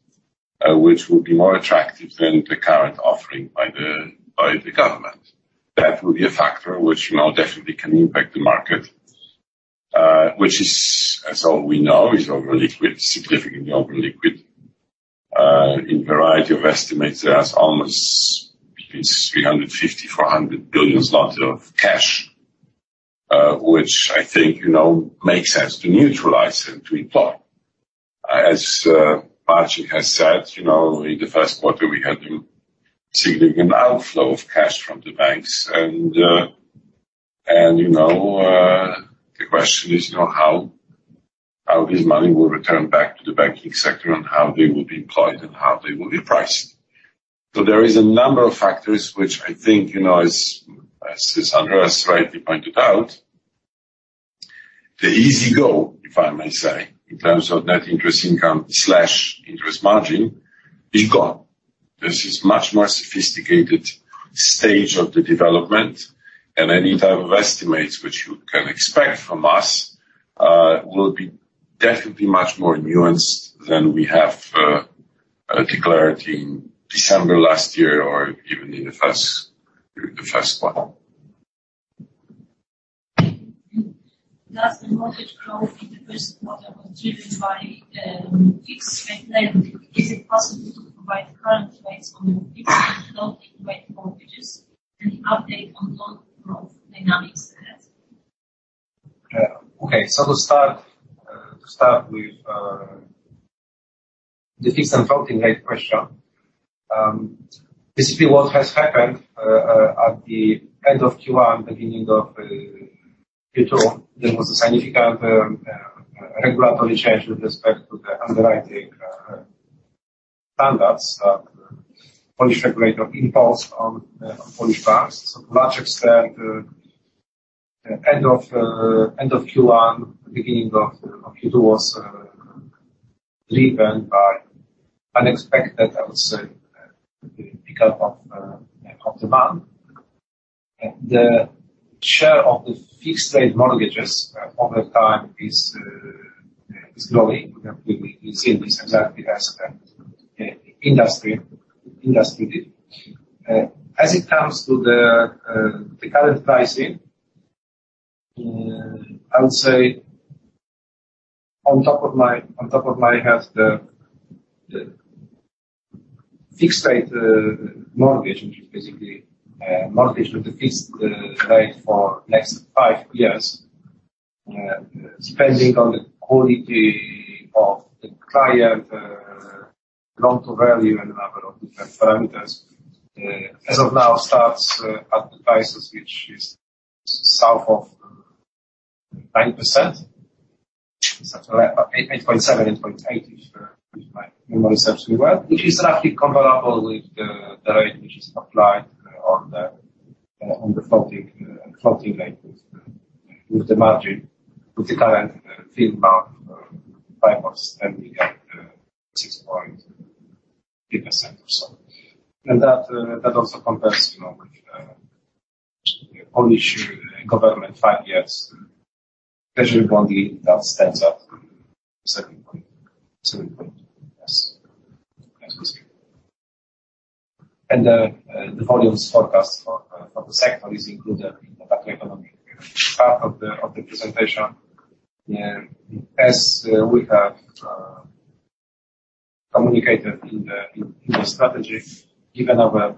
which will be more attractive than the current offering by the government. That will be a factor which, you know, definitely can impact the market, which is, as we all know, over-liquid, significantly over-liquid. In a variety of estimates, there are almost between 350 billion and 400 billion zlotys of cash, which I think, you know, makes sense to neutralize and to deploy. Marcin has said, you know, in the first quarter, we had a significant outflow of cash from the banks. The question is, you know, how this money will return back to the banking sector and how they will be employed and how they will be priced. There is a number of factors which I think, you know, as Andreas rightly pointed out, the easy go, if I may say, in terms of net interest income slash interest margin is gone. This is much more sophisticated stage of the development, and any type of estimates which you can expect from us will be definitely much more nuanced than we have declared in December last year or even in the first quarter. Does the mortgage growth in the first quarter was driven by fixed rate lending? Is it possible to provide current rates on the fixed and floating rate mortgages and update on loan growth dynamics as well? To start with the fixed and floating rate question. Basically what has happened at the end of Q1, beginning of Q2, there was a significant regulatory change with respect to the underwriting standards that Polish regulator imposed on Polish banks. To a large extent, end of Q1, beginning of Q2 was driven by unexpected, I would say, pickup of demand. The share of the fixed rate mortgages over time is growing. We've seen this exactly as the industry did. As it comes to the current pricing, I would say on top of my head, the fixed rate mortgage, which is basically mortgage with the fixed rate for next five years, depending on the quality of the client, loan-to-value and a number of different parameters, as of now starts at the prices which is south of 9%. So 8%, 8.7%, 8.8%, if my memory serves me well, which is roughly comparable with the rate which is applied on the floating rate with the margin, with the current mid-market. Five-year IRS standing at 6.8% or so. That also compares, you know, with Polish government five-year Treasury bond yield that stands at 7% as we speak. The volumes forecast for the sector is included in the macroeconomic part of the presentation. As we have communicated in the strategy, given our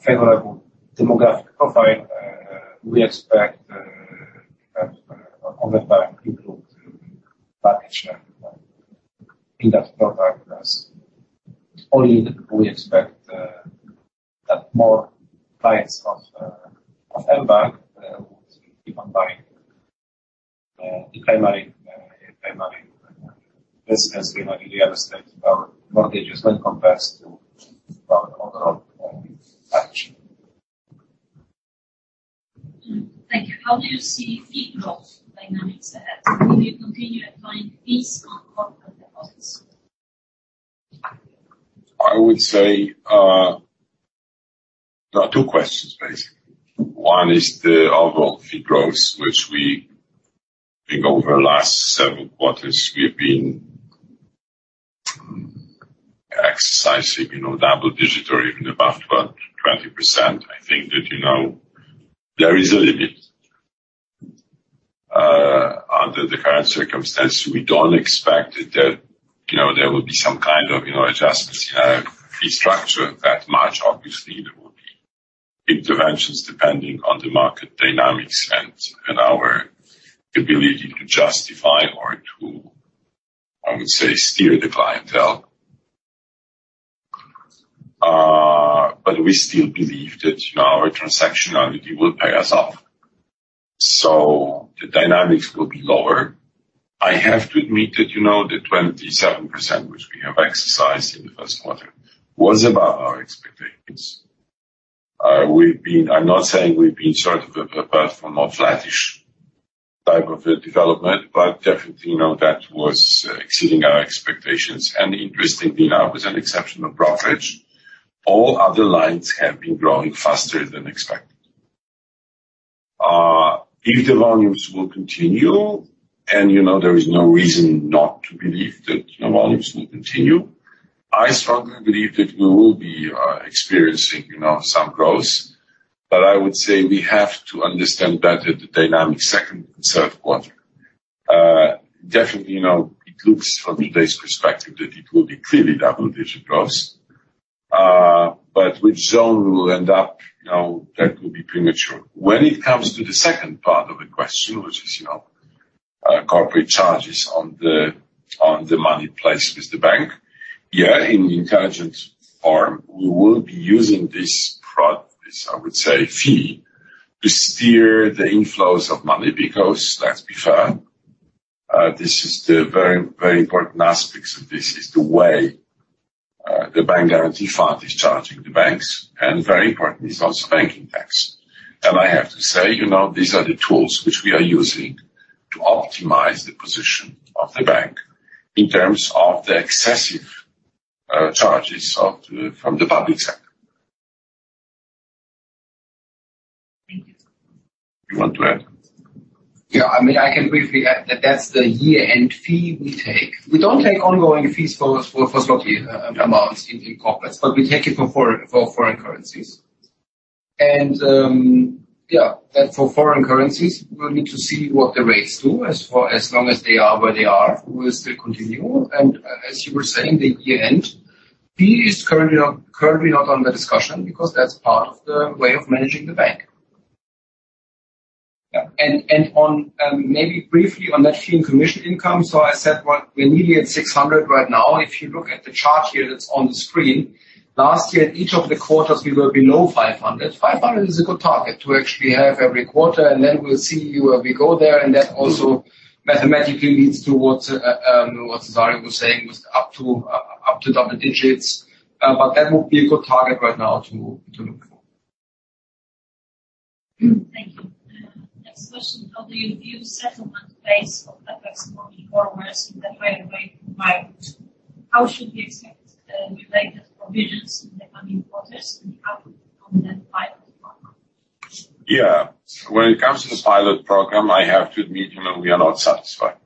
favorable demographic profile, we expect over time improved package in that product as only we expect that more clients of mBank would keep on buying the primary. This has been really understanding our mortgages when compared to our overall package. Thank you. How do you see fee growth dynamics ahead? Will you continue applying fees on corporate deposits? I would say. There are two questions, basically. One is the overall fee growth, which we, I think over the last several quarters we've been experiencing, you know, double-digit or even above, well, 20%. I think that, you know, there is a limit. Under the current circumstance, we don't expect that, you know, there will be some kind of, you know, adjustments, fee structure that much. Obviously, there will be interventions depending on the market dynamics and our ability to justify or to, I would say, steer the clientele. But we still believe that, you know, our transactionality will pay us off. So the dynamics will be lower. I have to admit that, you know, the 27% which we have achieved in the first quarter was above our expectations. We've been. I'm not saying we've been sort of a path from a flattish type of a development, but definitely, you know, that was exceeding our expectations. Interestingly, now with an exceptional profit, all other lines have been growing faster than expected. If the volumes will continue, and you know, there is no reason not to believe that, you know, volumes will continue, I strongly believe that we will be experiencing, you know, some growth. I would say we have to understand better the dynamics second and third quarter. Definitely, you know, it looks from today's perspective that it will be clearly double-digit growth. Which zone we will end up, you know, that will be premature. When it comes to the second part of the question, which is, you know, corporate charges on the, on the money placed with the bank, yeah, in intelligent form, we will be using this, I would say, fee to steer the inflows of money because let's be fair, this is the very, very important aspects of this, is the way, the Bank Guarantee Fund is charging the banks, and very importantly is also banking tax. I have to say, you know, these are the tools which we are using to optimize the position of the bank in terms of the excessive charges from the public sector. You want to add? Yeah. I mean, I can briefly add that that's the year-end fee we take. We don't take ongoing fees for zloty amounts in corporates, but we take it for foreign currencies. Yeah, for foreign currencies, we'll need to see what the rates do as long as they are where they are, we'll still continue. As you were saying, the year-end fee is currently not on the discussion because that's part of the way of managing the bank. Yeah. Maybe briefly on that fee and commission income. I said, we're nearly at 600 million right now. If you look at the chart here that's on the screen, last year at each of the quarters we were below 500 million. 500 million is a good target to actually have every quarter, and then we'll see where we go there. That also mathematically leads towards what Cezary was saying, up to double digits. That would be a good target right now to look for. Thank you. Next question. How do you view settlement base of FX foreign borrowers in the variable rate environment? How should we expect related provisions in the coming quarters on that pilot program? Yeah. When it comes to the pilot program, I have to admit, you know, we are not satisfied.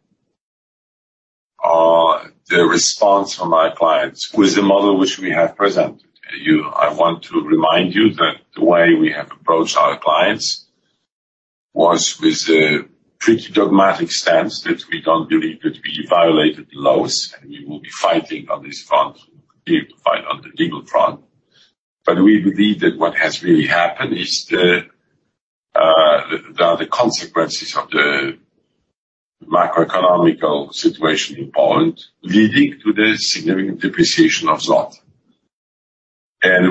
The response from my clients to the model which we have presented to you, I want to remind you that the way we have approached our clients was with a pretty dogmatic stance that we don't believe that we violated the laws, and we will be fighting on this front. We will continue to fight on the legal front. We believe that what has really happened is the consequences of the macroeconomic situation in Poland leading to the significant depreciation of zloty.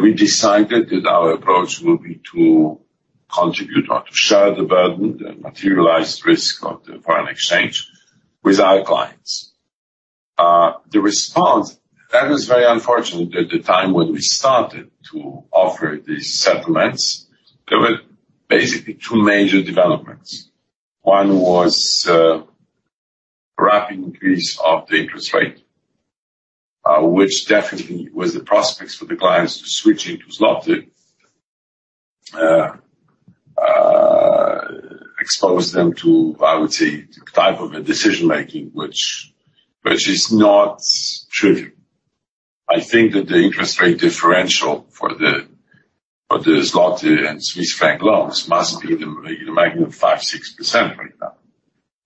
We decided that our approach will be to contribute or to share the burden, the materialized risk of the foreign exchange with our clients. The response, that was very unfortunate at the time when we started to offer these settlements. There were basically two major developments. One was rapid increase of the interest rate, which definitely was the prospects for the clients switching to zloty, exposed them to, I would say, the type of a decision-making which is not trivial. I think that the interest rate differential for the zloty and Swiss franc loans must be in the magnitude of 5%-6% right now.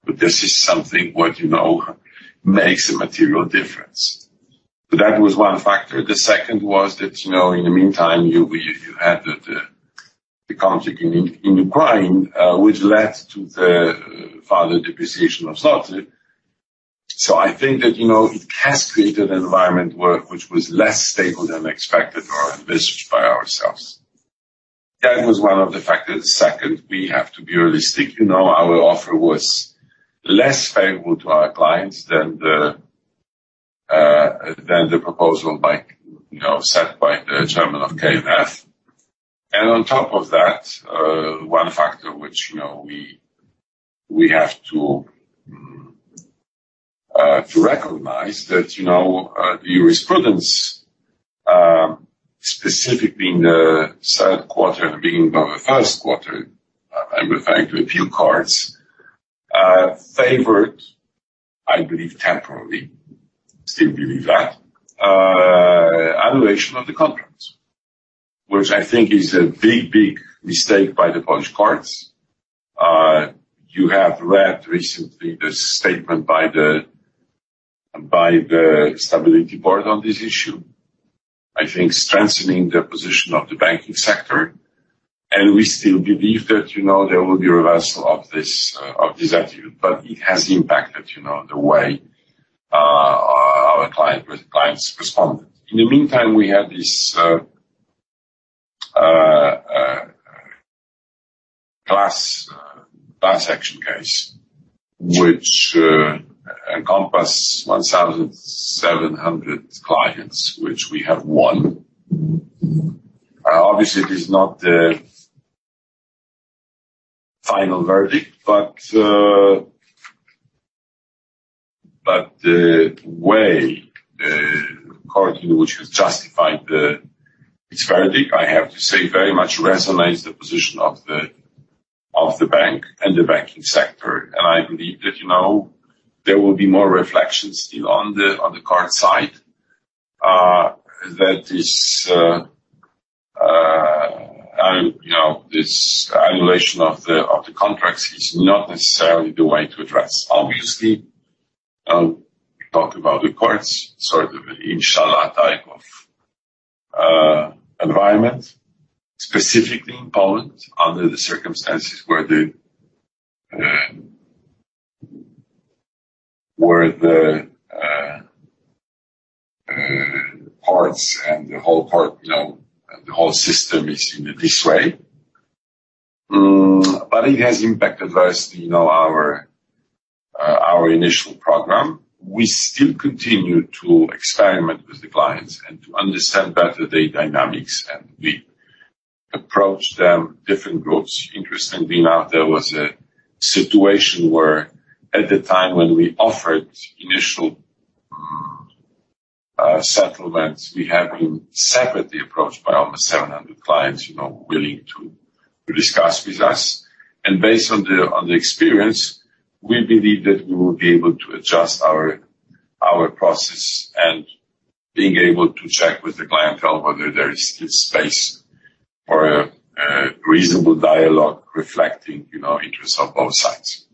But this is something what, you know, makes a material difference. That was one factor. The second was that, you know, in the meantime, you had the conflict in Ukraine, which led to the further depreciation of zloty. I think that, you know, it has created an environment which was less stable than expected or envisaged by ourselves. That was one of the factors. Second, we have to be realistic. You know, our offer was less favorable to our clients than the proposal by, you know, set by the Chairman of KNF. On top of that, one factor which, you know, we have to recognize that, you know, the jurisprudence specifically in the third quarter, beginning in the first quarter, and thanks to a few courts favored, I believe temporarily, still believe that evaluation of the contracts, which I think is a big mistake by the Polish courts. You have read recently the statement by the stability board on this issue, I think strengthening the position of the banking sector, and we still believe that, you know, there will be reversal of this attitude, but it has impacted, you know, the way our clients responded. In the meantime, we had this class action case which encompassed 1,700 clients, which we have won. Obviously it is not the final verdict, but the way the court, you know, which has justified its verdict, I have to say, very much resonates the position of the bank and the banking sector. I believe that, you know, there will be more reflections still on the court side, that this annulment of the contracts is not necessarily the way to address. Obviously, we talk about the courts, sort of an inshallah type of environment, specifically in Poland, under the circumstances where the courts and the whole system is in this way. It has impacted vastly, you know, our initial program. We still continue to experiment with the clients and to understand better the dynamics, and we approach them different groups. Interestingly enough, there was a situation where at the time when we offered initial settlements, we have been separately approached by almost 700 clients, you know, willing to discuss with us. Based on the experience, we believe that we will be able to adjust our process and being able to check with the clientele whether there is still space for a reasonable dialogue reflecting, you know, interests of both sides.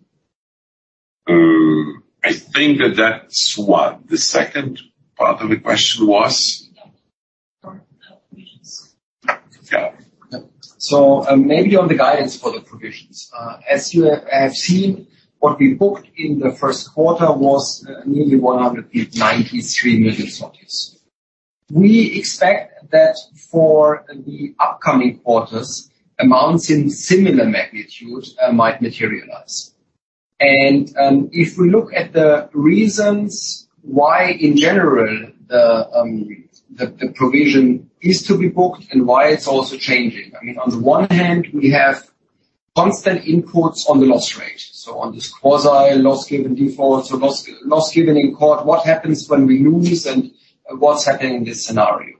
I think that that's one. The second part of the question was? Yeah. Maybe on the guidance for the provisions. As you have seen, what we booked in the first quarter was nearly 193 million. We expect that for the upcoming quarters, amounts in similar magnitude might materialize. If we look at the reasons why in general the provision is to be booked and why it's also changing, I mean, on the one hand, we have constant inputs on the loss rate, so on this quasi loss given default, so loss given in court, what happens when we lose and what's happening in this scenario.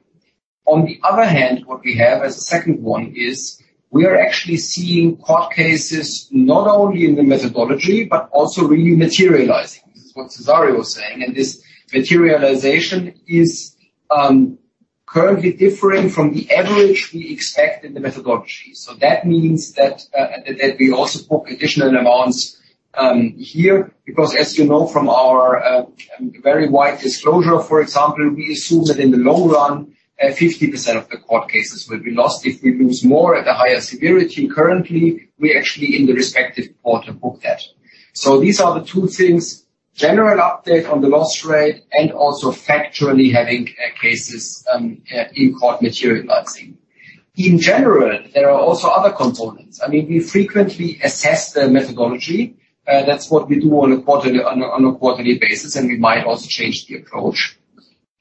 On the other hand, what we have as a second one is we are actually seeing court cases not only in the methodology but also really materializing. This is what Cezary was saying, and this materialization is currently differing from the average we expect in the methodology. That means that we also book additional amounts here, because as you know from our very wide disclosure, for example, we assume that in the long run 50% of the court cases will be lost if we lose more at a higher severity. Currently, we actually in the respective quarter book that. These are the two things, general update on the loss rate and also factually having cases in court materializing. In general, there are also other components. I mean, we frequently assess the methodology. That's what we do on a quarterly basis, and we might also change the approach.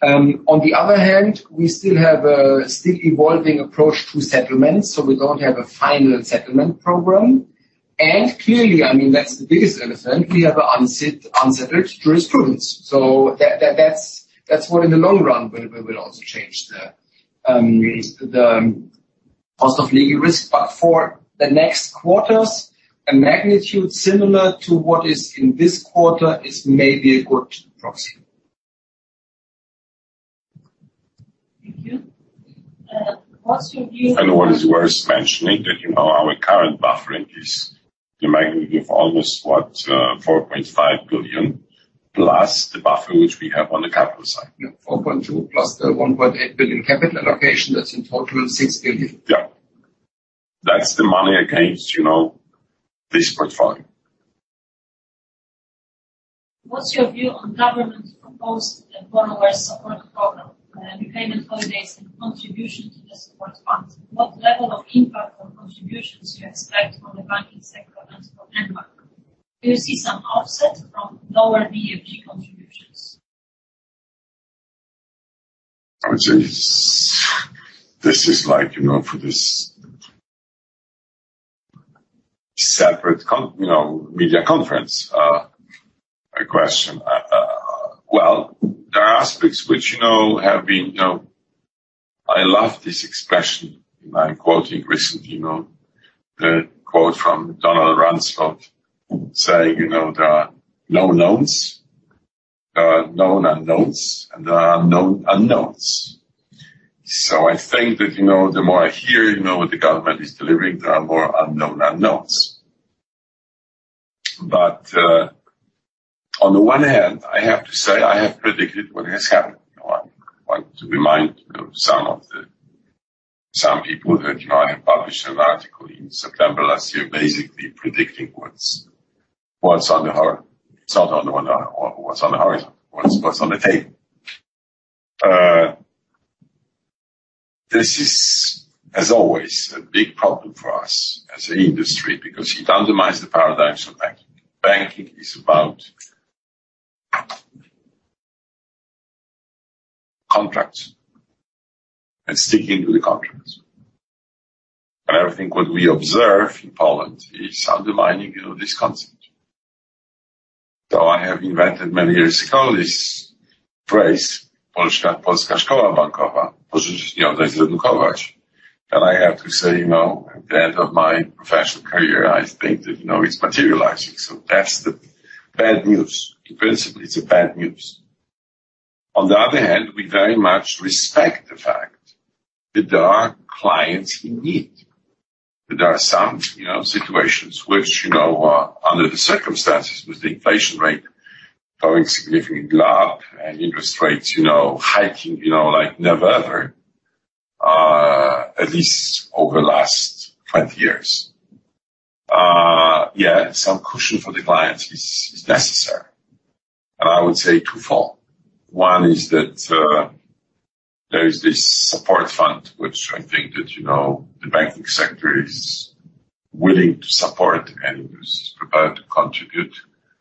On the other hand, we still have a still evolving approach to settlements, so we don't have a final settlement program. Clearly, I mean, that's the biggest element. We have an unsettled jurisprudence. That's where in the long run, we will also change the cost of legal risk. For the next quarters, a magnitude similar to what is in this quarter is maybe a good proxy. Thank you. What's your view? What is worth mentioning that, you know, our current buffering is the magnitude of almost what, 4.5 billion, plus the buffer which we have on the capital side. Yeah. 4.2 billion plus the 1.8 billion capital allocation, that's in total 6 billion. Yeah. That's the money against, you know, this portfolio. What's your view on government's proposed borrower support program, repayment holidays and contribution to the support funds? What level of impact on contributions do you expect from the banking sector and from mBank? Do you see some offset from lower BFG contributions? I would say this is like, you know, for this separate conference, you know, media conference question. Well, there are aspects which, you know, have been, you know. I love this expression, and I'm quoting recently, you know, the quote from Donald Rumsfeld saying, you know, "There are no knowns, there are known unknowns, and there are unknown unknowns." I think that, you know, the more I hear, you know, what the government is delivering, there are more unknown unknowns. On the one hand, I have to say I have predicted what has happened. You know, I want to remind, you know, some people that, you know, I have published an article in September last year, basically predicting what's on the horizon. It's not on the one hand or what's on the horizon. What's on the table. This is, as always, a big problem for us as an industry because it undermines the paradigms of banking. Banking is about contracts and sticking to the contracts. I think what we observe in Poland is undermining, you know, this concept. I have invented many years ago this phrase, "Polska szkoła bankowa. Pożyczyć nie oddać dukać." I have to say, you know, at the end of my professional career, I think that, you know, it's materializing. That's the bad news. In principle, it's bad news. On the other hand, we very much respect the fact that there are clients in need. That there are some, you know, situations which, you know, under the circumstances with the inflation rate going significantly up and interest rates, you know, hiking, you know, like never, ever, at least over the last 20 years. Yeah, some cushion for the clients is necessary. I would say twofold. One is that there is this support fund, which I think that, you know, the banking sector is willing to support and is prepared to contribute.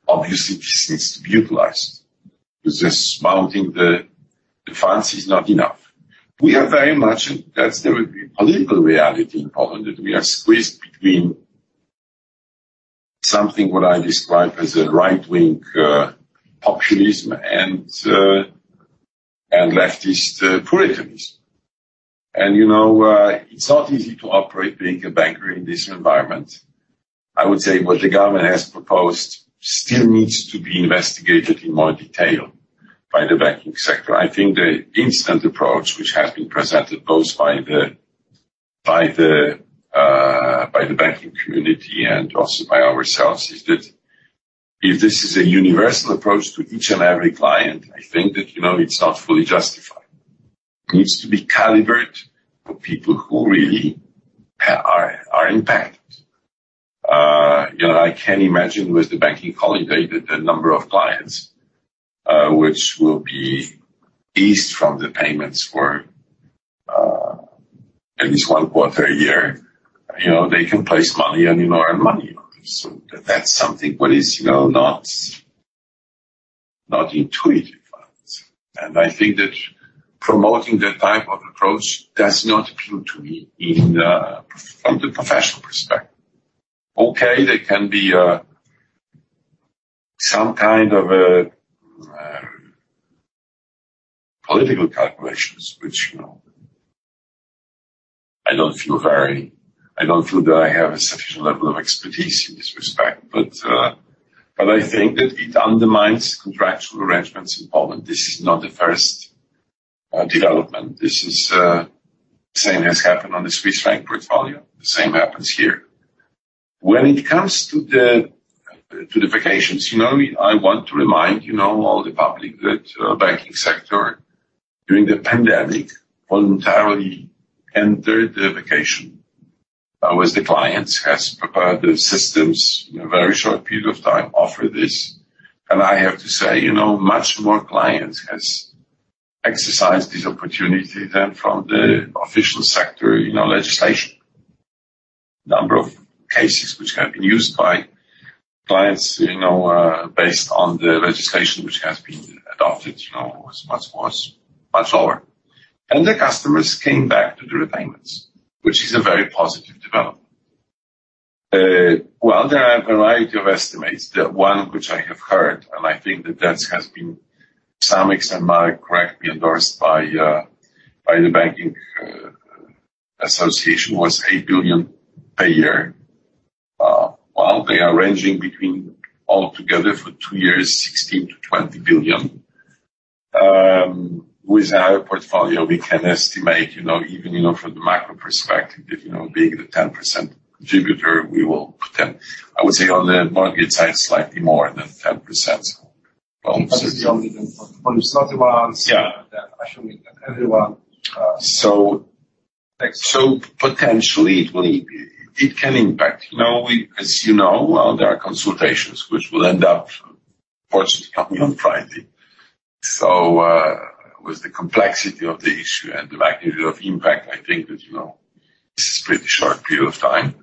Obviously, this needs to be utilized 'cause just mounting the funds is not enough. We are very much, that's the political reality in Poland, that we are squeezed between something what I describe as a right-wing populism and leftist puritanism. You know, it's not easy to operate being a banker in this environment. I would say what the government has proposed still needs to be investigated in more detail by the banking sector. I think the instant approach which has been presented both by the banking community and also by ourselves is that if this is a universal approach to each and every client, I think that, you know, it's not fully justified. It needs to be calibrated for people who really are impacted. You know, I can imagine with the banking holiday that the number of clients which will be eased from the payments for at least one quarter a year, you know, they can place money and, you know, earn money on it. That's something what is, you know, not intuitive for us. I think that promoting that type of approach does not appeal to me from the professional perspective. Okay, there can be some kind of political calculations which, you know, I don't feel that I have a sufficient level of expertise in this respect. I think that it undermines contractual arrangements in Poland. This is not the first development. The same has happened on the Swiss franc portfolio. The same happens here. When it comes to the vacations, you know, I want to remind, you know, all the public that banking sector during the pandemic voluntarily entered the vacation with the clients, has prepared the systems in a very short period of time, offered this. I have to say, you know, much more clients has exercised this opportunity than from the official sector, you know, legislation. Number of cases which have been used by clients, you know, based on the legislation which has been adopted, you know, was much lower. The customers came back to the repayments, which is a very positive development. There are a variety of estimates. The one which I have heard, and I think that that has been to some extent correctly endorsed by the banking association, was 8 billion per year. While they are ranging between altogether for two years, 16 billion-20 billion. With our portfolio we can estimate, you know, even, you know, from the macro perspective that, you know, being the 10% contributor we will pretend. I would say on the mortgage side, slightly more than 10%. It's the only thing for the Polish ones. Yeah. The Russian and everyone. Potentially it can impact. You know, as you know, well, there are consultations which will end up fortunately coming on Friday. With the complexity of the issue and the magnitude of impact, I think that, you know, this is pretty short period of time.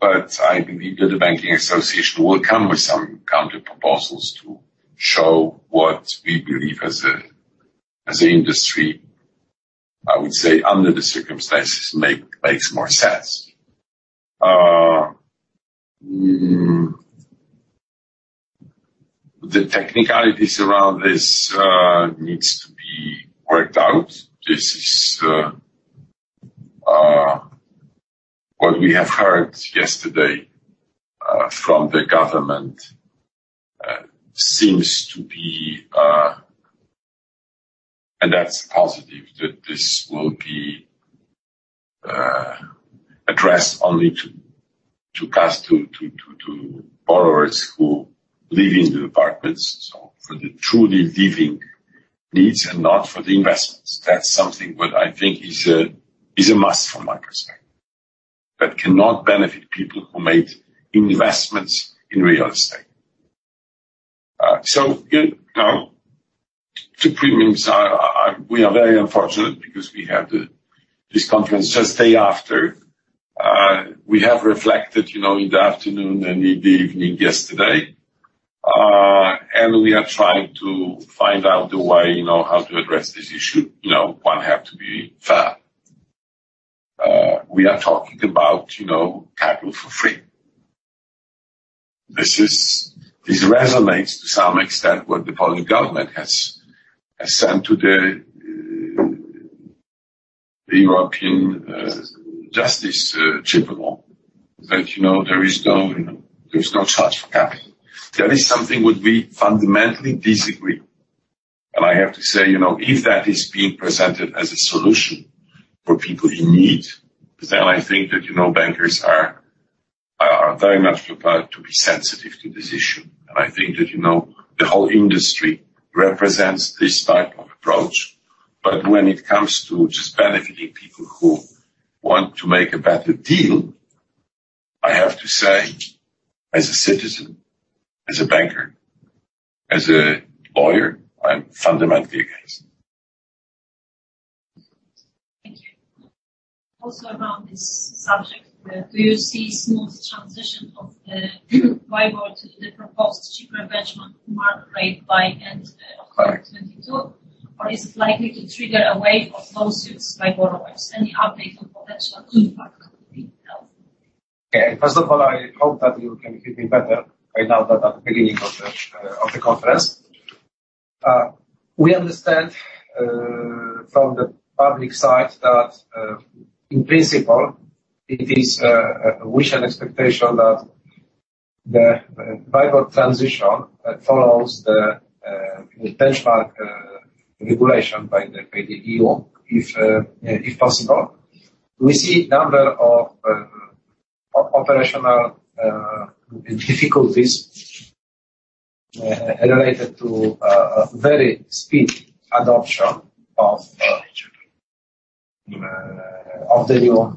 But I believe that the banking association will come with some counter proposals to show what we believe as an industry, I would say, under the circumstances, makes more sense. The technicalities around this needs to be worked out. This is what we have heard yesterday from the government seems to be. That's positive that this will be addressed only to borrowers who live in the apartments. For the truly living needs and not for the investments. That's something what I think is a must from my perspective. That cannot benefit people who made investments in real estate. We are very unfortunate because we had this conference just day after. We have reflected, you know, in the afternoon and in the evening yesterday. We are trying to find out the way, you know, how to address this issue. You know, one have to be fair. We are talking about, you know, capital for free. This resonates to some extent what the Polish government has said today. The Court of Justice of the European Union that there is no charge for capital. That is something would be fundamentally disagree. I have to say, you know, if that is being presented as a solution for people in need, because then I think that, you know, bankers are very much prepared to be sensitive to this issue. I think that, you know, the whole industry represents this type of approach. But when it comes to just benefiting people who want to make a better deal, I have to say, as a citizen, as a banker, as a lawyer, I'm fundamentally against it. Thank you. Also, around this subject, do you see smooth transition of the WIBOR to the proposed cheaper benchmark market rate by end of quarter 2022, or is it likely to trigger a wave of lawsuits by borrowers? Any update on potential impact would be helpful. Okay. First of all, I hope that you can hear me better right now than at the beginning of the conference. We understand from the public side that in principle it is a wish and expectation that the WIBOR transition follows the benchmark regulation by the EU if possible. We see a number of operational difficulties related to very speedy adoption of the new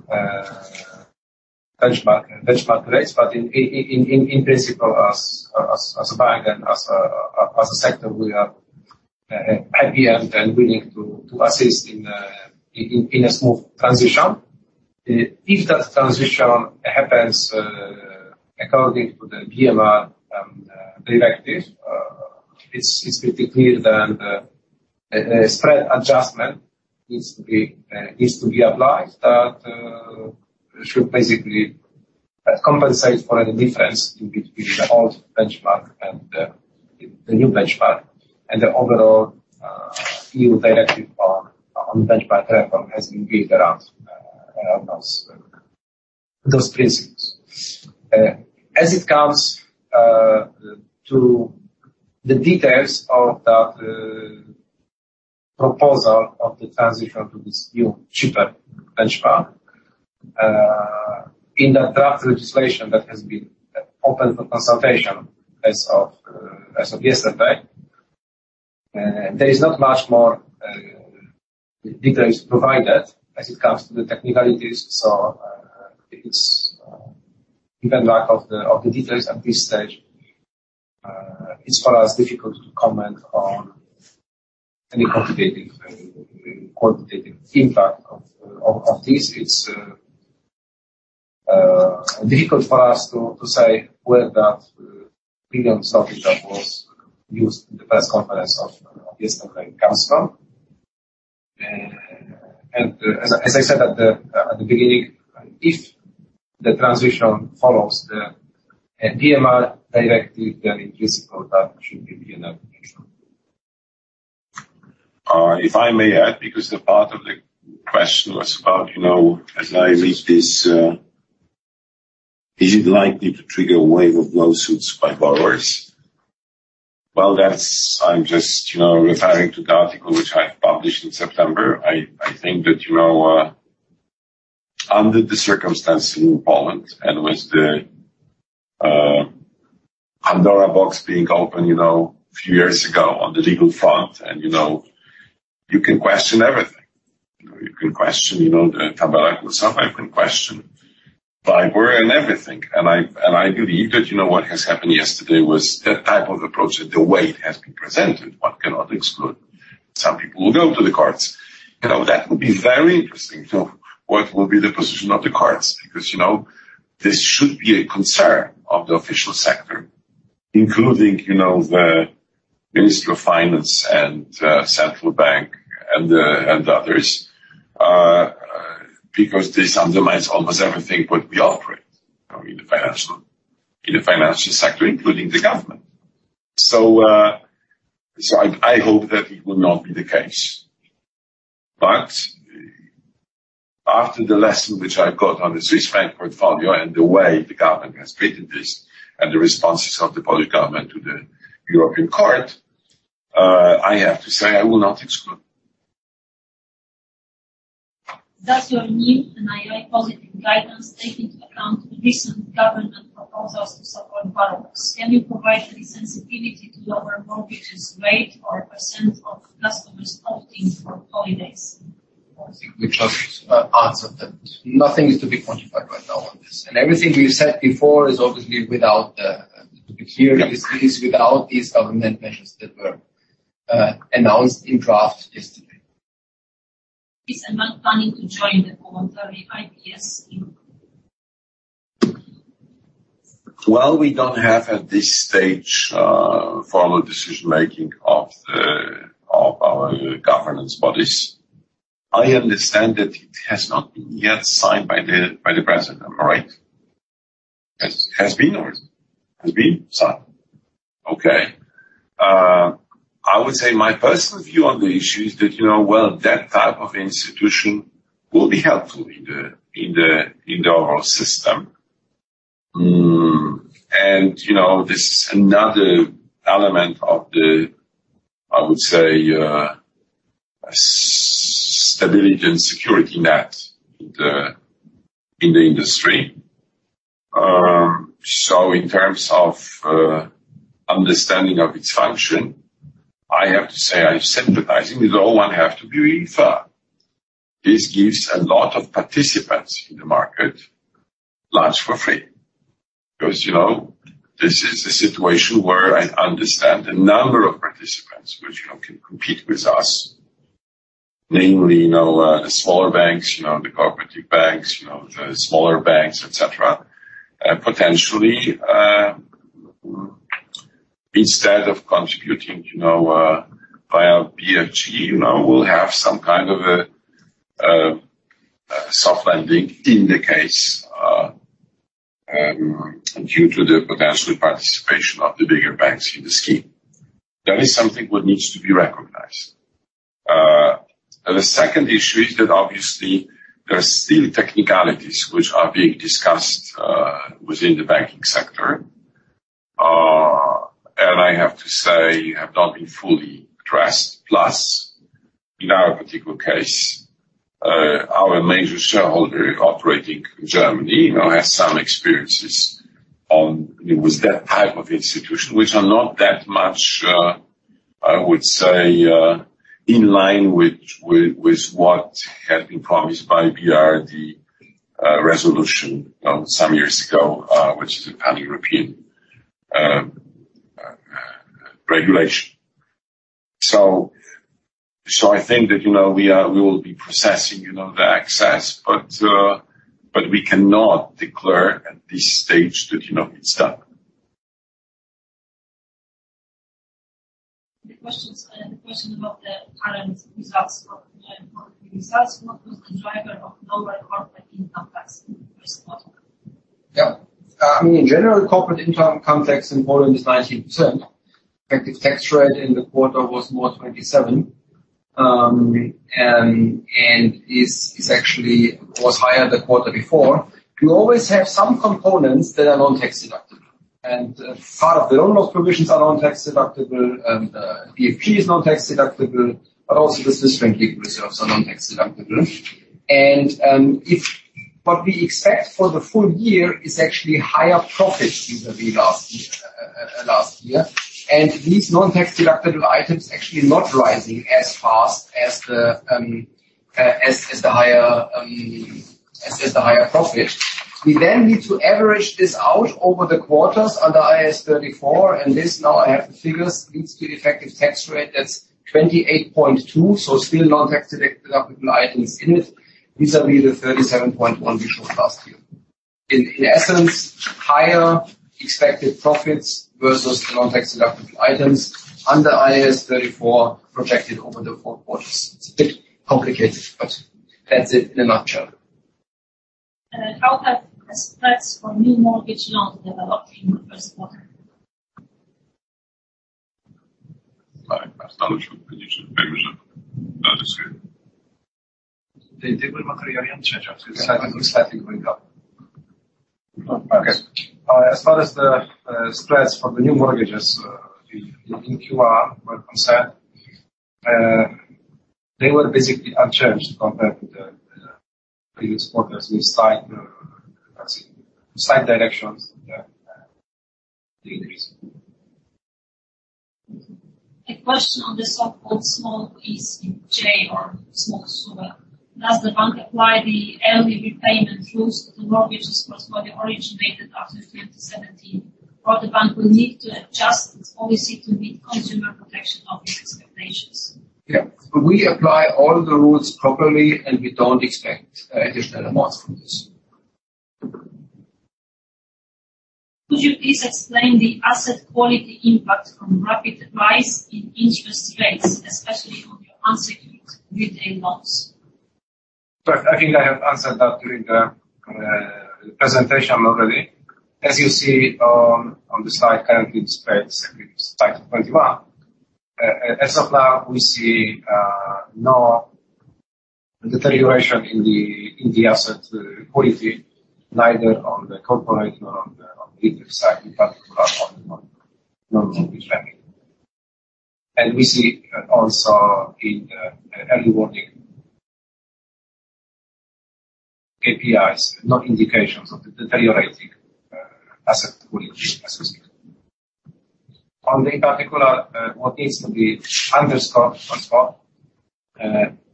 benchmark rates. In principle, as a bank and as a sector, we are happy and willing to assist in a smooth transition. If that transition happens, according to the BMR directive, it's pretty clear then the spread adjustment needs to be applied that should basically compensate for the difference between the old benchmark and the new benchmark. The overall EU directive on benchmark reform has been built around those principles. As it comes to the details of that proposal of the transition to this new, cheaper benchmark, in the draft legislation that has been open for consultation as of yesterday, there is not much more details provided as it comes to the technicalities. It's even lack of the details at this stage. It's for us difficult to comment on any quantitative impact of this. It's difficult for us to say where that billions of it that was used in the press conference of yesterday comes from. As I said at the beginning, if the transition follows the BRRD directive, then it is possible that should be an application. If I may add, because the part of the question was about, you know, as I read this, is it likely to trigger a wave of lawsuits by borrowers? Well, that's. I'm just, you know, referring to the article which I published in September. I think that, you know, under the circumstance in Poland and with the Pandora's box being open, you know, a few years ago on the legal front, and, you know, you can question everything. You can question, you know, the Tabela kursowa question, LIBOR and everything. I believe that, you know, what has happened yesterday was the type of approach that the way it has been presented, one cannot exclude. Some people will go to the courts. You know, that would be very interesting to what will be the position of the courts because, you know, this should be a concern of the official sector, including, you know, the Minister of Finance and Central Bank and others, because this undermines almost everything what we operate, you know, in the financial sector, including the government. I hope that it will not be the case. After the lesson which I've got on the Swiss franc portfolio and the way the government has treated this and the responses of the Polish government to the European Court, I have to say I will not exclude. Does your new NII positive guidance take into account recent government proposals to support borrowers? Can you provide any sensitivity to lower mortgage rates or percent of customers opting for holidays? I think we just answered that. Nothing is to be quantified right now on this. Everything we've said before is obviously without the, to be clear, this is without these government measures that were announced in draft yesterday. Is mBank planning to join the voluntary IPS scheme? Well, we don't have at this stage formal decision-making of our governance bodies. I understand that it has not been yet signed by the president. Am I right? Has been or isn't? Has been signed. Okay. I would say my personal view on the issue is that that type of institution will be helpful in the overall system. This is another element of the, I would say, stability and security net in the industry. In terms of understanding of its function, I have to say I'm sympathizing with all one have to be really firm. This gives a lot of participants in the market lunch for free. Because, you know, this is a situation where I understand the number of participants which, you know, can compete with us, namely, you know, the smaller banks, you know, the cooperative banks, et cetera. Potentially, instead of contributing, you know, via BFG, you know, we'll have some kind of a soft lending in the case, due to the potential participation of the bigger banks in the scheme. That is something what needs to be recognized. The second issue is that obviously there are still technicalities which are being discussed, within the banking sector. I have to say have not been fully addressed. Plus, in our particular case, our major shareholder operating in Germany, you know, has some experiences with that type of institution, which are not that much, I would say, in line with what had been promised by BRRD resolution, you know, some years ago, which is a pan-European regulation. I think that, you know, we will be processing, you know, the access, but we cannot declare at this stage that, you know, it's done. The question about the current results for the year. For the results, what was the driver of lower corporate income tax in the first quarter? Yeah. I mean, in general, corporate income tax in Poland is 19%. Effective tax rate in the quarter was more than 27%, and actually was higher the quarter before. You always have some components that are non-tax deductible. Part of the loan loss provisions are non-tax deductible, and BFG is non-tax deductible, but also the Swiss franc legal reserves are non-tax deductible. If what we expect for the full-year is actually higher profits than the last year. These non-tax deductible items actually not rising as fast as the higher profit. We need to average this out over the quarters under IAS 34, and this now I have the figures, leads to the effective tax rate that's 28.2%, so still non-tax deductible items in it, vis-à-vis the 37.1% we showed last year. In essence, higher expected profits versus non-tax deductible items under IAS 34 projected over the four quarters. It's a bit complicated, but that's it in a nutshell. How have spreads for new mortgage loans developed in the first quarter? As far as the spreads for the new mortgages in Q1 were concerned, they were basically unchanged compared with the previous quarters. We see indications that the increase. A question on the so-called small TSUE. Does the bank apply the early repayment rules to the mortgages first originated after 2017, or the bank will need to adjust its policy to meet consumer protection office expectations? Yeah. We apply all the rules properly, and we don't expect additional amounts from this. Could you please explain the asset quality impact from rapid rise in interest rates, especially on your unsecured retail loans? I think I have answered that during the presentation already. As you see, on the slide currently displayed, slide 21, as of now, we see no deterioration in the asset quality, neither on the corporate nor on the retail side, in particular on the mortgage lending. We see also in early warning KPIs no indications of the deteriorating asset quality as we speak. Only, in particular, what needs to be underscored as well,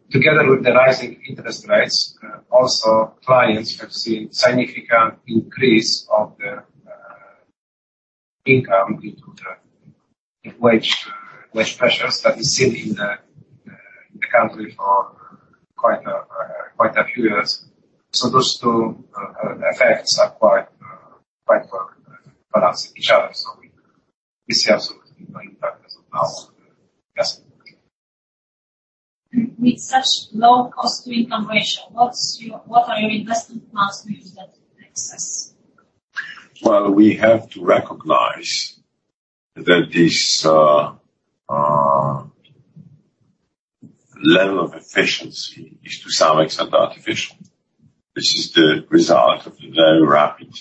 together with the rising interest rates, also clients have seen significant increase of their income into the wage pressures that we've seen in the country for quite a few years. Those two effects are quite balancing each other, so we see absolutely no impact as of now on the asset quality. With such low cost-to-income ratio, what are your investment plans to use that excess? Well, we have to recognize that this level of efficiency is to some extent artificial. This is the result of the very rapid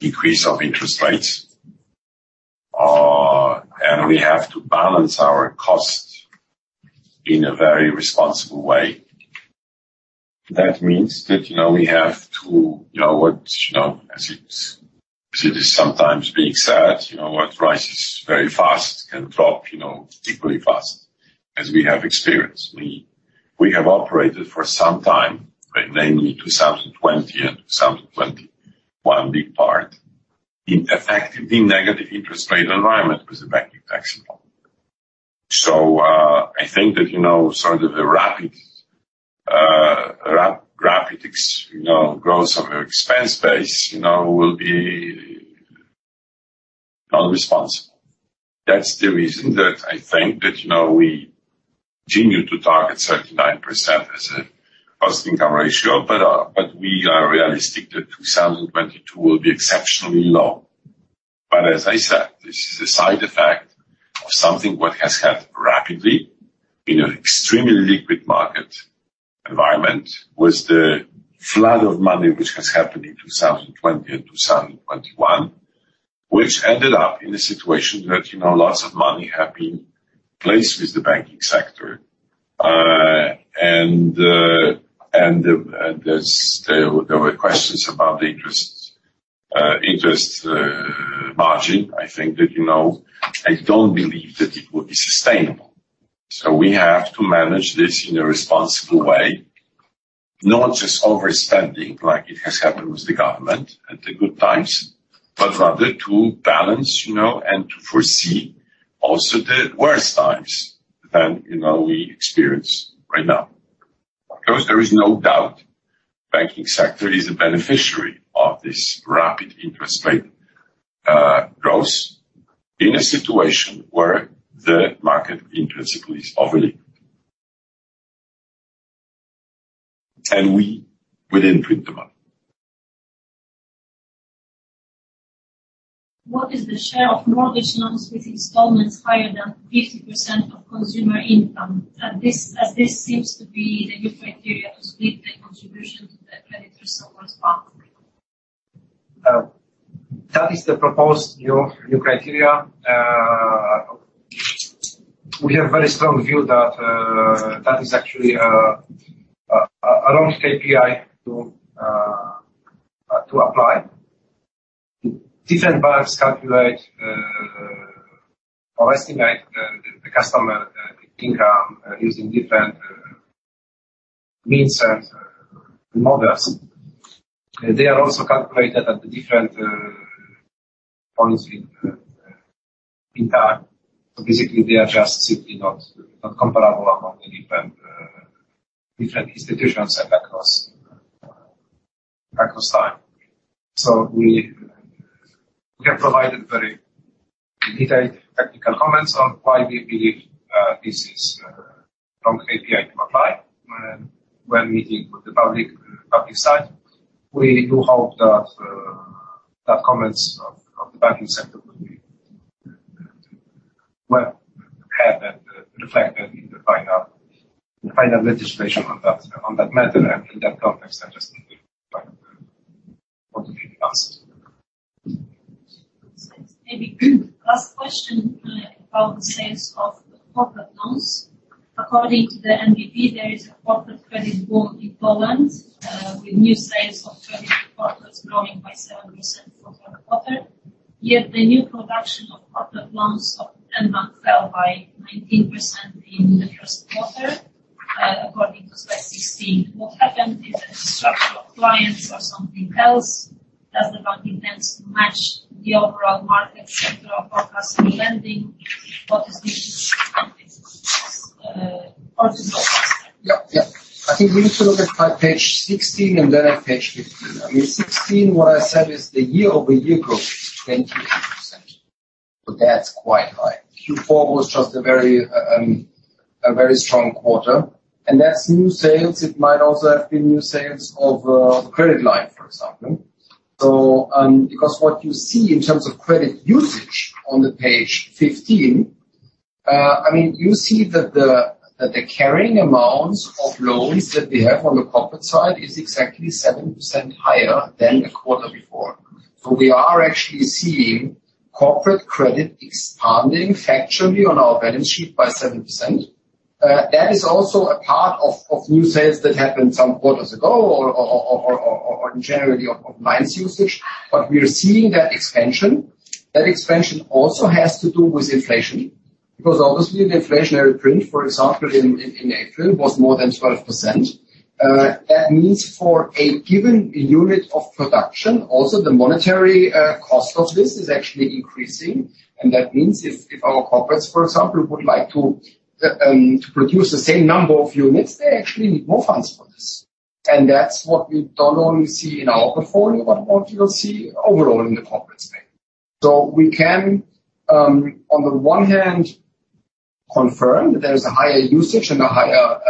increase of interest rates. We have to balance our costs in a very responsible way. That means that, you know, we have to, you know, what, you know, as it is sometimes being said, you know, what rises very fast can drop, you know, equally fast as we have experienced. We have operated for some time, namely 2020 and 2021, big part, in effectively negative interest rate environment with the banking sector. I think that, you know, sort of the rapid expense growth of our expense base, you know, will be irresponsible. That's the reason that I think that, you know, we continue to target 39% as a cost-income ratio. We are realistic that 2022 will be exceptionally low. As I said, this is a side effect of something what has happened rapidly in an extremely liquid market environment, with the flood of money which has happened in 2020 and 2021, which ended up in a situation that, you know, lots of money have been placed with the banking sector. And there were questions about the interest margin. I think that, you know, I don't believe that it would be sustainable. We have to manage this in a responsible way, not just overspending like it has happened with the government at the good times, but rather to balance, you know, and to foresee also the worst times that, you know, we experience right now. Of course, there is no doubt banking sector is a beneficiary of this rapid interest rate growth in a situation where the market intrinsically is overly. We wouldn't print the money. What is the share of mortgage loans with installments higher than 50% of consumer income? This, as this seems to be the new criteria to split the contribution to the creditor support fund. That is the proposed new criteria. We have very strong view that that is actually a long KPI to apply. Different banks calculate or estimate the customer income using different means and models. They are also calculated at the different points in time. Basically, they are just simply not comparable among the different institutions and across time. We have provided very detailed technical comments on why we believe this is wrong KPI to apply when meeting with the public side. We do hope that comments of the banking sector will be well heard and reflected in the final legislation on that matter. In that context, I just complete what you asked. Maybe last question, about the sales of corporate loans. According to the NBP, there is a corporate credit boom in Poland, with new sales of credit portfolios growing by 7% quarter-on-quarter. Yet the new production of corporate loans of mBank fell by 19% in the first quarter, according to slide 16. What happened? Is it a structure of clients or something else? Does the banking tends to match the overall market sector of forecasting lending? What is this? I think we need to look at page 16 and then at page 15. I mean, 16, what I said is the year-over-year growth is 28%. That's quite high. Q4 was just a very strong quarter. That's new sales. It might also have been new sales of credit line, for example. Because what you see in terms of credit usage on the page 15, I mean, you see that the carrying amounts of loans that we have on the corporate side is exactly 7% higher than the quarter before. We are actually seeing corporate credit expanding factually on our balance sheet by 7%. That is also a part of new sales that happened some quarters ago or generally of clients usage, but we are seeing that expansion. That expansion also has to do with inflation because obviously the inflationary print, for example, in April was more than 12%. That means for a given unit of production, also the monetary cost of this is actually increasing. That means if our corporates, for example, would like to produce the same number of units, they actually need more funds for this. That's what we do not only see in our portfolio, but what you will see overall in the corporate space. We can on the one hand confirm that there's a higher usage and a higher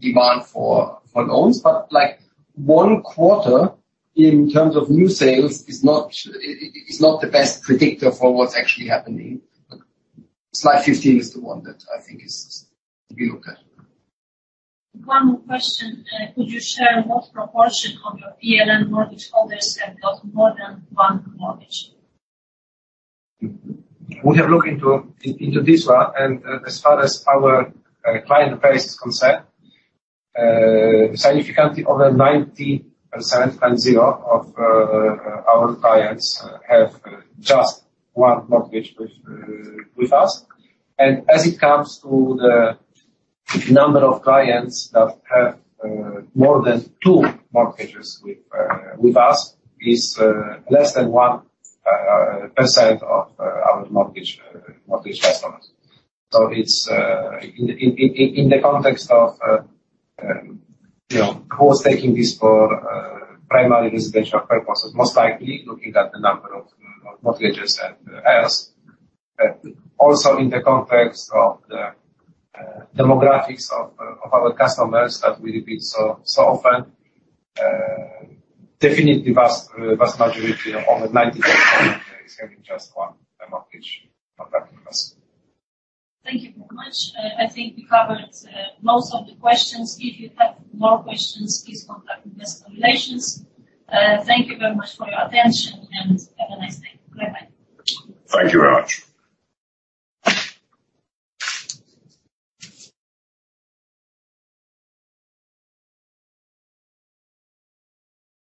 demand for loans. Like one quarter in terms of new sales is not the best predictor for what's actually happening. Slide 15 is the one that I think is to be looked at. One more question. Could you share what proportion of your PLN mortgage holders have got more than one mortgage? We have looked into this one, and as far as our client base is concerned, significantly over 90% and 0% of our clients have just one mortgage with us. As it comes to the number of clients that have more than two mortgages with us is less than 1% of our mortgage customers. It's in the context of, you know, who's taking this for primary residential purposes, most likely looking at the number of mortgages they have with us. Also in the context of the demographics of our customers that we repeat so often, definitely vast majority of over 90% is having just one mortgage contact with us. Thank you very much. I think we covered most of the questions. If you have more questions, please contact Investor Relations. Thank you very much for your attention, and have a nice day. Bye-bye. Thank you very much.